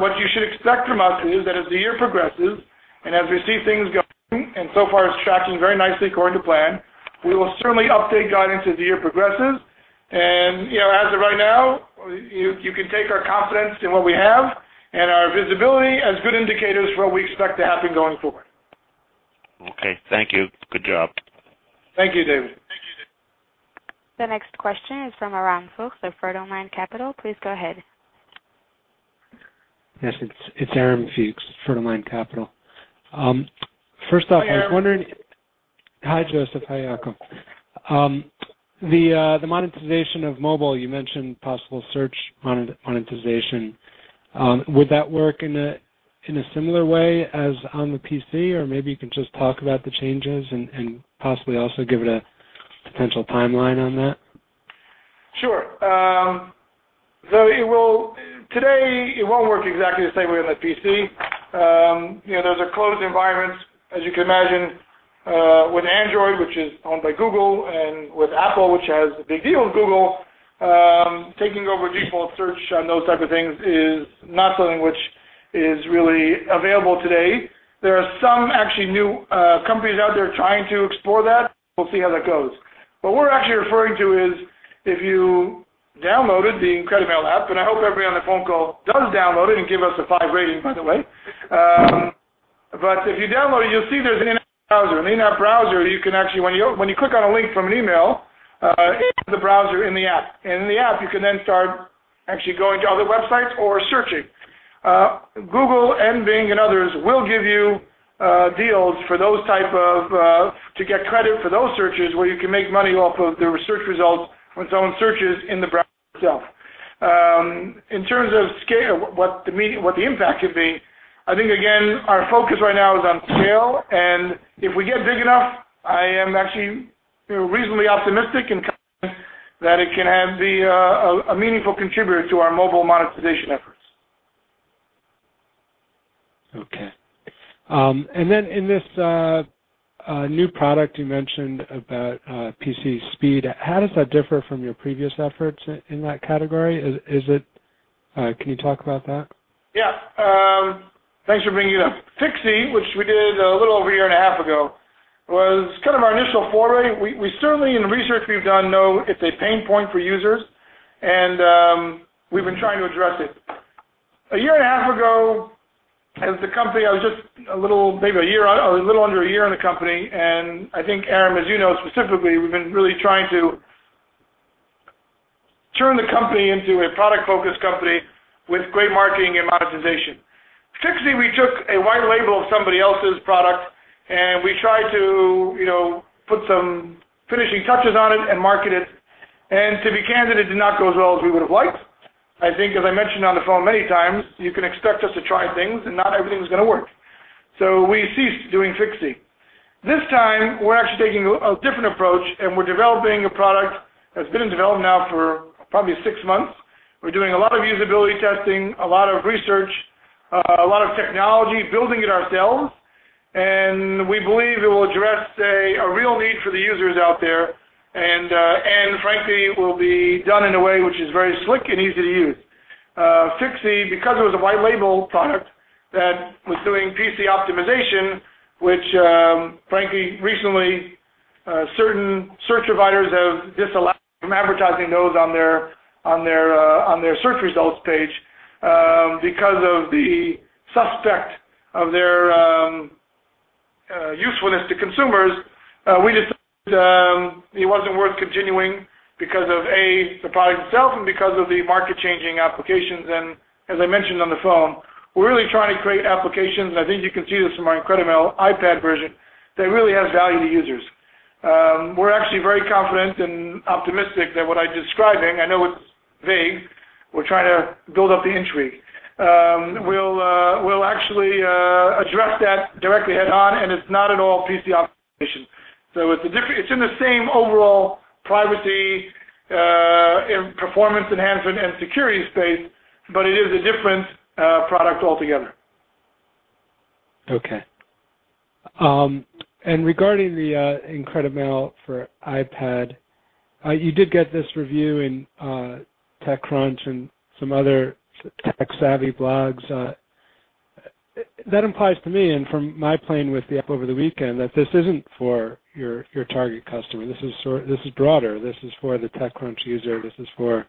What you should expect from us is that as the year progresses, as we see things going, and so far it's tracking very nicely according to plan, we will certainly update guidance as the year progresses. As of right now, you can take our confidence in what we have and our visibility as good indicators for what we expect to happen going forward. Okay, thank you. Good job. Thank you, David. The next question is from Aram Fuchs of Fertilemind Capital. Please go ahead. Yes, it's Aram Fuchs, Fertilemind Capital. Hi, Aram. I was wondering. Hi, Josef. Hi, Yacov. The monetization of mobile, you mentioned possible search monetization. Would that work in a similar way as on the PC? Maybe you can just talk about the changes and possibly also give it a potential timeline on that? Sure. Today, it won't work exactly the same way on the PC. Those are closed environments, as you can imagine, with Android, which is owned by Google, and with Apple, which has a big deal with Google, taking over default search on those type of things is not something which is really available today. There are some actually new companies out there trying to explore that. We'll see how that goes. What we're actually referring to is if you downloaded the IncrediMail app, and I hope everybody on the phone call does download it and give us a five rating, by the way. If you download it, you'll see there's an in-app browser. The in-app browser, when you click on a link from an email, it opens the browser in the app. In the app, you can then start actually going to other websites or searching. Google and Bing and others will give you deals to get credit for those searches where you can make money off of the search results on its own searches in the browser itself. In terms of scale, what the impact could be, I think, again, our focus right now is on scale, and if we get big enough, I am actually reasonably optimistic and confident that it can have a meaningful contributor to our mobile monetization efforts. Okay. In this new product you mentioned about PC speed, how does that differ from your previous efforts in that category? Can you talk about that? Yeah. Thanks for bringing it up. Fixie, which we did a little over a year and a half ago, was our initial foray. We certainly, in the research we've done, know it's a pain point for users, and we've been trying to address it. A year and a half ago, as the company, I was just a little under a year in the company, and I think Aram, as you know, specifically, we've been really trying to turn the company into a product-focused company with great marketing and monetization. Fixie, we took a white label of somebody else's product, and we tried to put some finishing touches on it and market it. To be candid, it did not go as well as we would've liked. I think, as I mentioned on the phone many times, you can expect us to try things, and not everything's going to work. We ceased doing Fixie. This time, we're actually taking a different approach, and we're developing a product that's been in development now for probably six months. We're doing a lot of usability testing, a lot of research, a lot of technology, building it ourselves, and we believe it will address a real need for the users out there. Frankly, will be done in a way which is very slick and easy to use. Fixie, because it was a white label product that was doing PC optimization, which frankly, recently, certain search providers have disallowed from advertising those on their search results page because of the suspect of their usefulness to consumers. We just thought it wasn't worth continuing because of, A, the product itself and because of the market-changing applications. As I mentioned on the phone, we're really trying to create applications, and I think you can see this in our IncrediMail iPad version, that really add value to users. We're actually very confident and optimistic that what I'm describing, I know it's vague, we're trying to build up the intrigue. We'll actually address that directly head-on, and it's not at all PC optimization. It's in the same overall privacy, performance enhancement, and security space, but it is a different product altogether. Okay. Regarding the IncrediMail for iPad, you did get this review in TechCrunch and some other tech-savvy blogs. That implies to me, and from my playing with the app over the weekend, that this isn't for your target customer. This is broader. This is for the TechCrunch user. This is for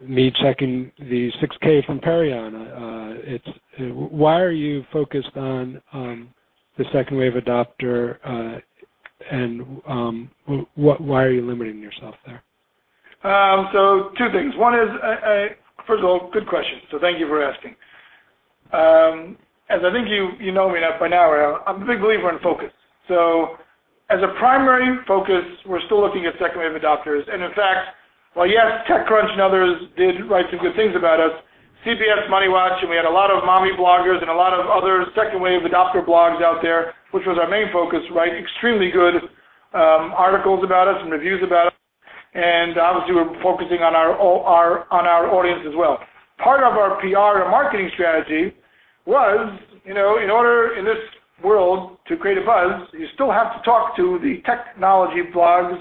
me checking the 6K from Perion. Why are you focused on the second wave adopter, and why are you limiting yourself there? Two things. First of all, good question. Thank you for asking. As I think you know me by now, I'm a big believer in focus. As a primary focus, we're still looking at second-wave adopters. In fact, while, yes, TechCrunch and others did write some good things about us, CBS MoneyWatch, and we had a lot of mommy bloggers and a lot of other second-wave adopter blogs out there, which was our main focus. Wrote extremely good articles about us and reviews about us, and obviously, we're focusing on our audience as well. Part of our PR and marketing strategy was, in order, in this world, to create a buzz, you still have to talk to the technology blogs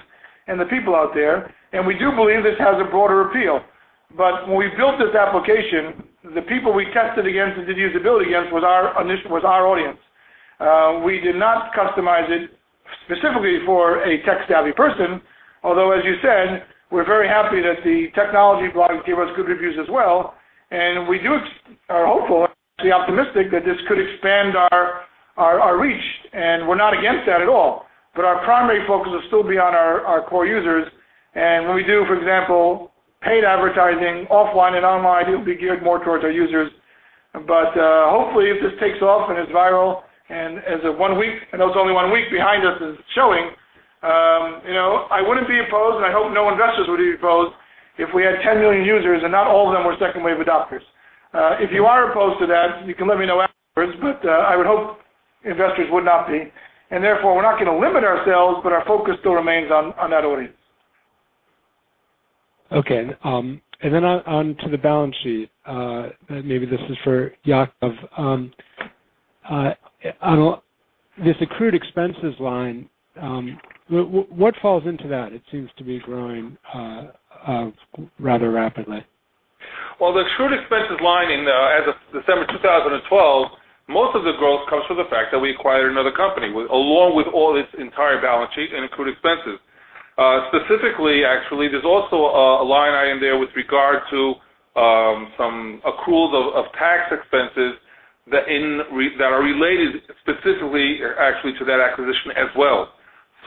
and the people out there, and we do believe this has a broader appeal. When we built this application, the people we tested against and did usability against was our audience. We did not customize it specifically for a tech-savvy person, although, as you said, we're very happy that the technology blogs gave us good reviews as well. We are hopeful and optimistic that this could expand our reach, and we're not against that at all. Our primary focus will still be on our core users. When we do, for example, paid advertising offline and online, it will be geared more towards our users. Hopefully, if this takes off and is viral, and as one week, I know it's only one week behind us, is showing I wouldn't be opposed, and I hope no investors would be opposed if we had 10 million users and not all of them were second-wave adopters. If you are opposed to that, you can let me know afterwards, I would hope investors would not be. Therefore, we're not going to limit ourselves, our focus still remains on that audience. Okay. On to the balance sheet. Maybe this is for Yacov. On this accrued expenses line, what falls into that? It seems to be growing rather rapidly. The accrued expenses line as of December 2012, most of the growth comes from the fact that we acquired another company, along with all its entire balance sheet and accrued expenses. Specifically, actually, there's also a line item there with regard to some accruals of tax expenses that are related specifically, actually, to that acquisition as well.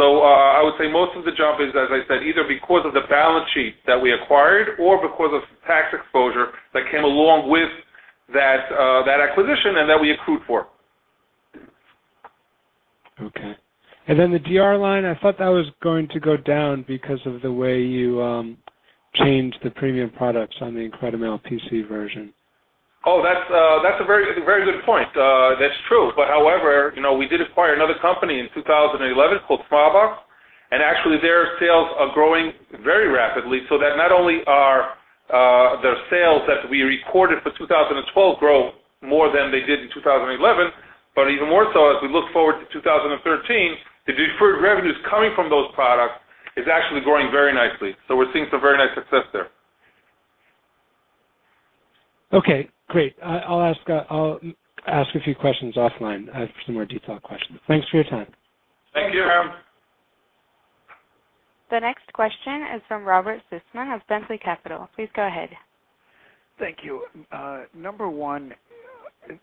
I would say most of the jump is, as I said, either because of the balance sheet that we acquired or because of tax exposure that came along with that acquisition and that we accrued for. Okay. The DR line, I thought that was going to go down because of the way you changed the premium products on the IncrediMail PC version. Oh, that's a very good point. That's true. However, we did acquire another company in 2011 called Traba, and actually, their sales are growing very rapidly so that not only are their sales that we recorded for 2012 grow more than they did in 2011, but even more so as we look forward to 2013, the deferred revenues coming from those products is actually growing very nicely. We're seeing some very nice success there. Okay, great. I'll ask a few questions offline. I have some more detailed questions. Thanks for your time. Thank you. Thank you. The next question is from Robert Sussman of Bentley Capital. Please go ahead. Thank you. Number one,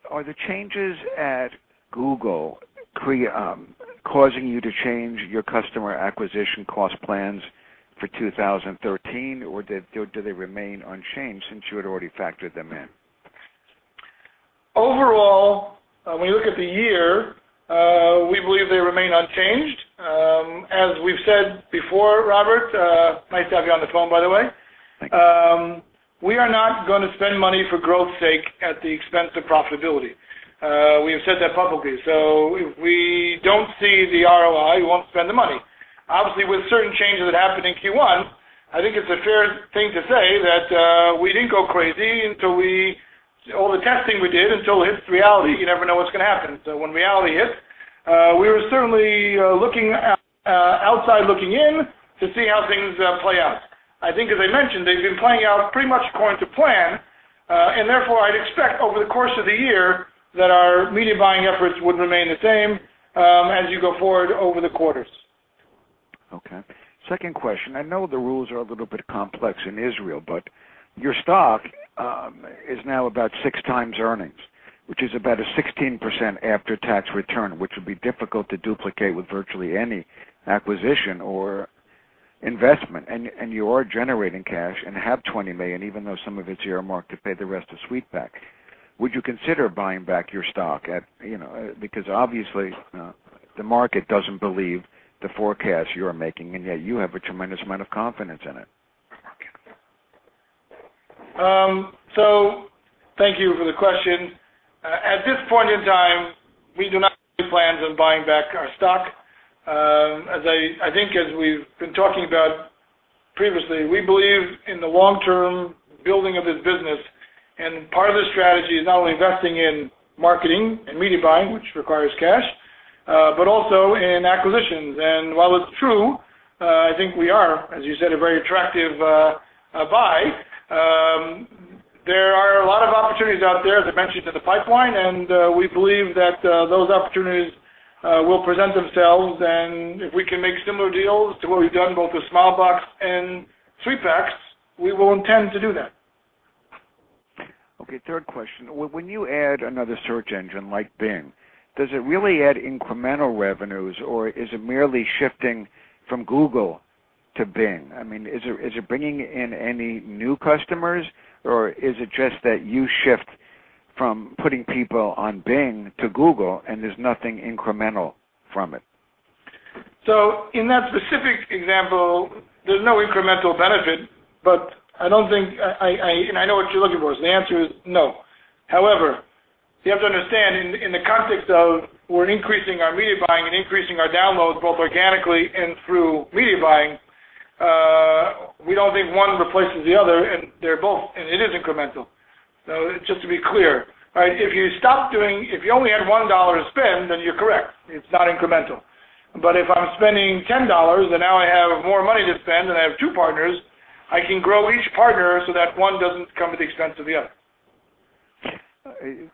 are the changes at Google causing you to change your customer acquisition cost plans for 2013, or do they remain unchanged since you had already factored them in? Overall, when you look at the year, we believe they remain unchanged. As we've said before, Robert, nice to have you on the phone, by the way. Thank you. We are not going to spend money for growth's sake at the expense of profitability. We have said that publicly. If we don't see the ROI, we won't spend the money. Obviously, with certain changes that happened in Q1, I think it's a fair thing to say that we didn't go crazy. All the testing we did until it hits reality, you never know what's going to happen. When reality hits, we were certainly outside looking in to see how things play out. I think as I mentioned, they've been playing out pretty much according to plan. Therefore I'd expect over the course of the year that our media buying efforts would remain the same as you go forward over the quarters. Okay. Second question. I know the rules are a little bit complex in Israel, your stock is now about six times earnings, which is about a 16% after-tax return, which would be difficult to duplicate with virtually any acquisition or investment. You are generating cash and have $20 million, even though some of it's earmarked to pay the rest of SweetPacks. Would you consider buying back your stock, because obviously, the market doesn't believe the forecast you're making, and yet you have a tremendous amount of confidence in it. Thank you for the question. At this point in time, we do not have any plans on buying back our stock. I think as we've been talking about previously, we believe in the long-term building of this business, and part of the strategy is not only investing in marketing and media buying, which requires cash, but also in acquisitions. While it's true, I think we are, as you said, a very attractive buy. There are a lot of opportunities out there, as I mentioned, in the pipeline, and we believe that those opportunities will present themselves, and if we can make similar deals to what we've done, both with Smilebox and SweetPacks, we will intend to do that. Third question. When you add another search engine like Bing, does it really add incremental revenues, or is it merely shifting from Google to Bing? I mean, is it bringing in any new customers, or is it just that you shift from putting people on Bing to Google and there's nothing incremental from it? In that specific example, there's no incremental benefit. I know what you're looking for. The answer is no. However, you have to understand, in the context of we're increasing our media buying and increasing our downloads both organically and through media buying, we don't think one replaces the other, and it is incremental. Just to be clear, if you only had $1 to spend, then you're correct, it's not incremental. If I'm spending $10 and now I have more money to spend and I have two partners, I can grow each partner so that one doesn't come at the expense of the other.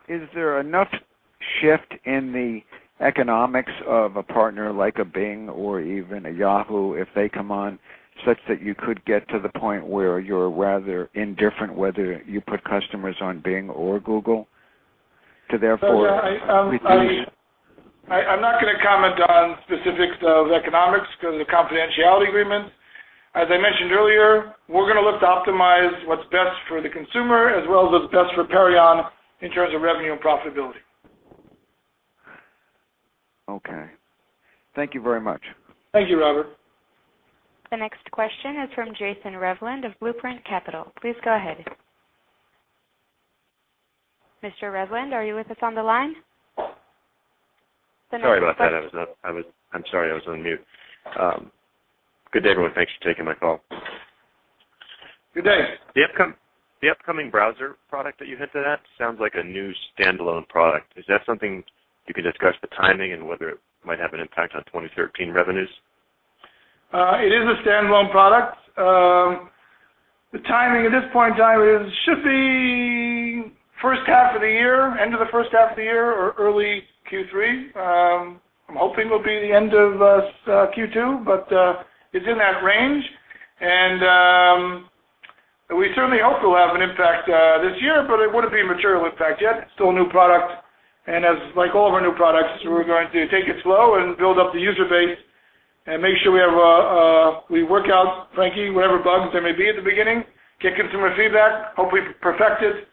Is there enough shift in the economics of a partner like a Bing or even a Yahoo if they come on, such that you could get to the point where you're rather indifferent whether you put customers on Bing or Google to therefore- I'm not going to comment on specifics of economics because of the confidentiality agreement. As I mentioned earlier, we're going to look to optimize what's best for the consumer as well as what's best for Perion in terms of revenue and profitability. Okay. Thank you very much. Thank you, Robert. The next question is from Jason Revland of Blueprint Capital. Please go ahead. Mr. Revland, are you with us on the line? Sorry about that. I'm sorry, I was on mute. Good day, everyone. Thanks for taking my call. Good day. The upcoming browser product that you hinted at sounds like a new standalone product. Is that something you can discuss the timing and whether it might have an impact on 2013 revenues? It is a standalone product. The timing at this point in time should be first half of the year, end of the first half of the year, or early Q3. I'm hoping it will be the end of Q2, but it's in that range. We certainly hope it will have an impact this year, but it wouldn't be a material impact yet. Still a new product, and as like all of our new products, we're going to take it slow and build up the user base and make sure we work out, frankly, whatever bugs there may be at the beginning, get consumer feedback, hope we perfect it,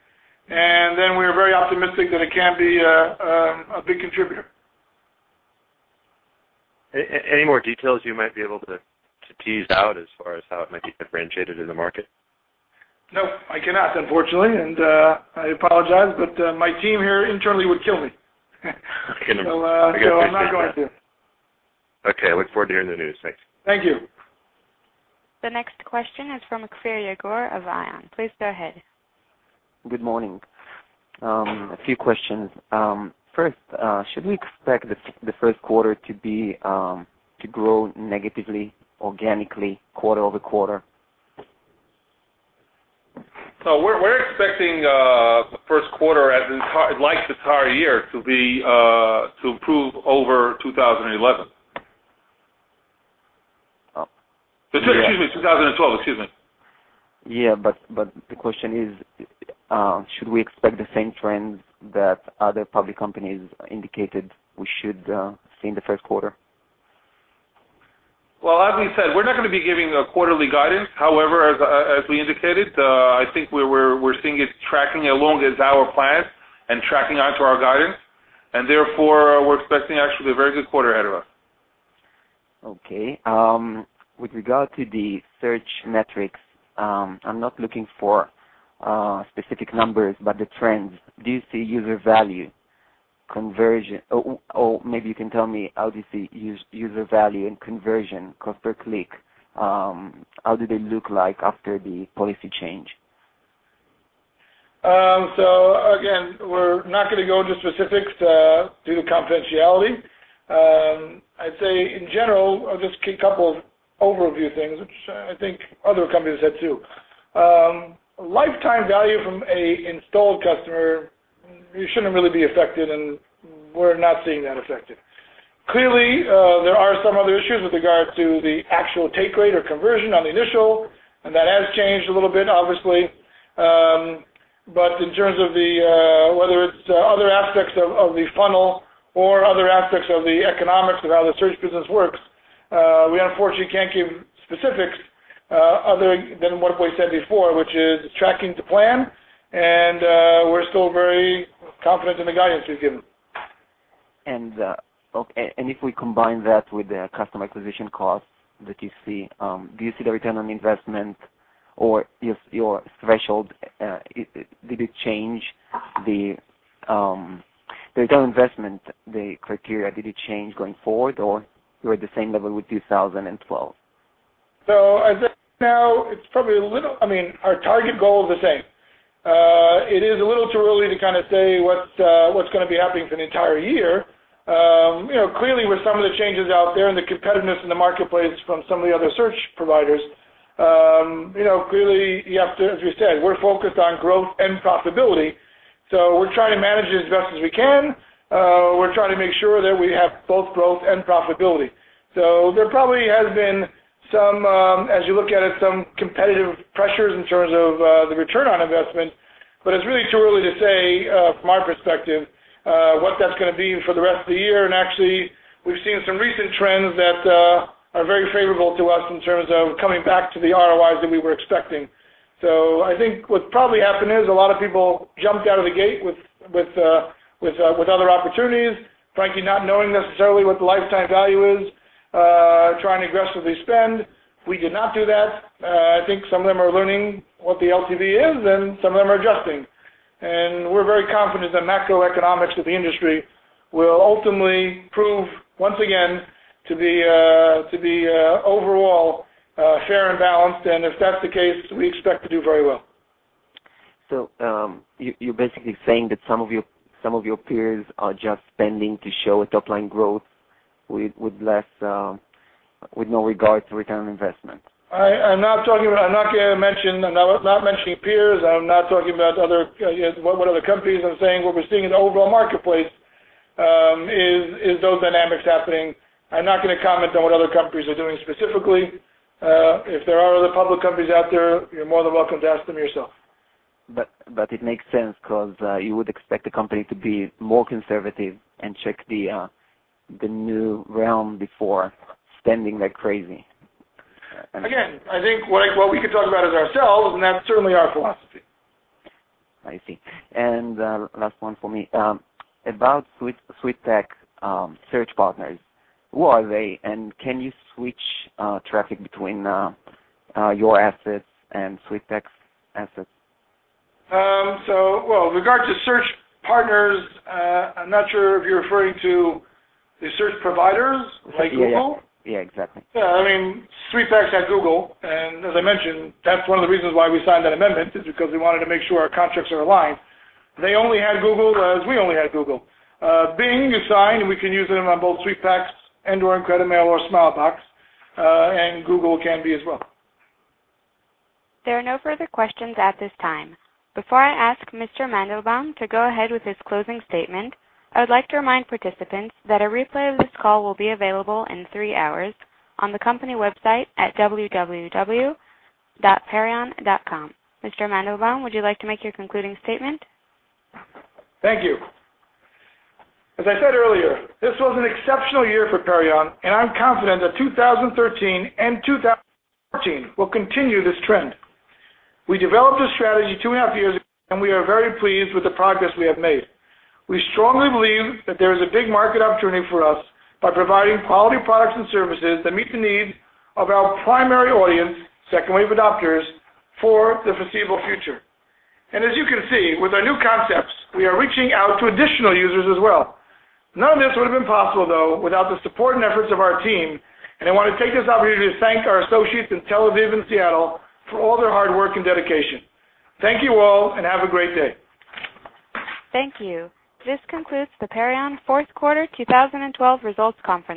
then we are very optimistic that it can be a big contributor. Any more details you might be able to tease out as far as how it might be differentiated in the market? I cannot, unfortunately, and I apologize, but my team here internally would kill me. No worries. I'm not going to. I look forward to hearing the news. Thanks. Thank you. The next question is from Kfir Yagour of ION. Please go ahead. Good morning. A few questions. First, should we expect the first quarter to grow negatively, organically, quarter-over-quarter? We're expecting the first quarter, like the entire year, to improve over 2011. Oh. Excuse me, 2012. Excuse me. Yeah, but the question is, should we expect the same trends that other public companies indicated we should see in the first quarter? Well, as we said, we're not going to be giving a quarterly guidance. However, as we indicated, I think we're seeing it tracking along as our plans and tracking onto our guidance, and therefore, we're expecting actually a very good quarter ahead of us. Okay. With regard to the search metrics, I'm not looking for specific numbers, but the trends. Do you see user value or maybe you can tell me how this user value and conversion cost per click, how do they look like after the policy change? Again, we're not going to go into specifics due to confidentiality. I'd say in general, just a couple of overview things, which I think other companies have too. Lifetime value from an installed customer shouldn't really be affected, and we're not seeing that affected. Clearly, there are some other issues with regard to the actual take rate or conversion on the initial, and that has changed a little bit, obviously. In terms of whether it's other aspects of the funnel or other aspects of the economics of how the search business works, we unfortunately can't give specifics other than what we said before, which is tracking to plan, and we're still very confident in the guidance we've given. If we combine that with the customer acquisition cost that you see, do you see the return on investment or your threshold, did it change the return on investment, the criteria, did it change going forward, or you're at the same level with 2012? As of now, our target goal is the same. It is a little too early to say what's going to be happening for the entire year. Clearly, with some of the changes out there and the competitiveness in the marketplace from some of the other search providers, clearly, as we said, we're focused on growth and profitability. We're trying to manage it as best as we can. We're trying to make sure that we have both growth and profitability. There probably has been some, as you look at it, some competitive pressures in terms of the return on investment. It's really too early to say, from our perspective, what that's going to be for the rest of the year. Actually, we've seen some recent trends that are very favorable to us in terms of coming back to the ROIs that we were expecting. I think what's probably happened is a lot of people jumped out of the gate with other opportunities, frankly, not knowing necessarily what the lifetime value is, trying to aggressively spend. We did not do that. I think some of them are learning what the LTV is, and some of them are adjusting. We're very confident that macroeconomics of the industry will ultimately prove, once again, to be overall fair and balanced. If that's the case, we expect to do very well. You're basically saying that some of your peers are just spending to show a top-line growth with no regard to return on investment. I'm not mentioning peers. I'm not talking about what other companies are saying. What we're seeing in the overall marketplace is those dynamics happening. I'm not going to comment on what other companies are doing specifically. If there are other public companies out there, you're more than welcome to ask them yourself. It makes sense because you would expect the company to be more conservative and check the new realm before spending like crazy. Again, I think what we can talk about is ourselves, and that's certainly our philosophy. I see. Last one for me. About SweetPacks search partners, who are they? Can you switch traffic between your assets and SweetPacks assets? With regard to search partners, I'm not sure if you're referring to the search providers like Google. Yeah, exactly. Yeah, SweetPacks at Google, and as I mentioned, that's one of the reasons why we signed that amendment, is because we wanted to make sure our contracts are aligned. They only had Google, as we only had Google. Bing is signed. We can use them on both SweetPacks and/or IncrediMail or Smilebox. Google can be as well. There are no further questions at this time. Before I ask Mr. Mandelbaum to go ahead with his closing statement, I would like to remind participants that a replay of this call will be available in three hours on the company website at www.perion.com. Mr. Mandelbaum, would you like to make your concluding statement? Thank you. As I said earlier, this was an exceptional year for Perion, and I'm confident that 2013 and 2014 will continue this trend. We developed a strategy two and a half years ago, and we are very pleased with the progress we have made. We strongly believe that there is a big market opportunity for us by providing quality products and services that meet the needs of our primary audience, second-wave adopters, for the foreseeable future. As you can see, with our new concepts, we are reaching out to additional users as well. None of this would have been possible, though, without the support and efforts of our team, and I want to take this opportunity to thank our associates in Tel Aviv and Seattle for all their hard work and dedication. Thank you all, and have a great day. Thank you. This concludes the Perion fourth quarter 2012 results conference.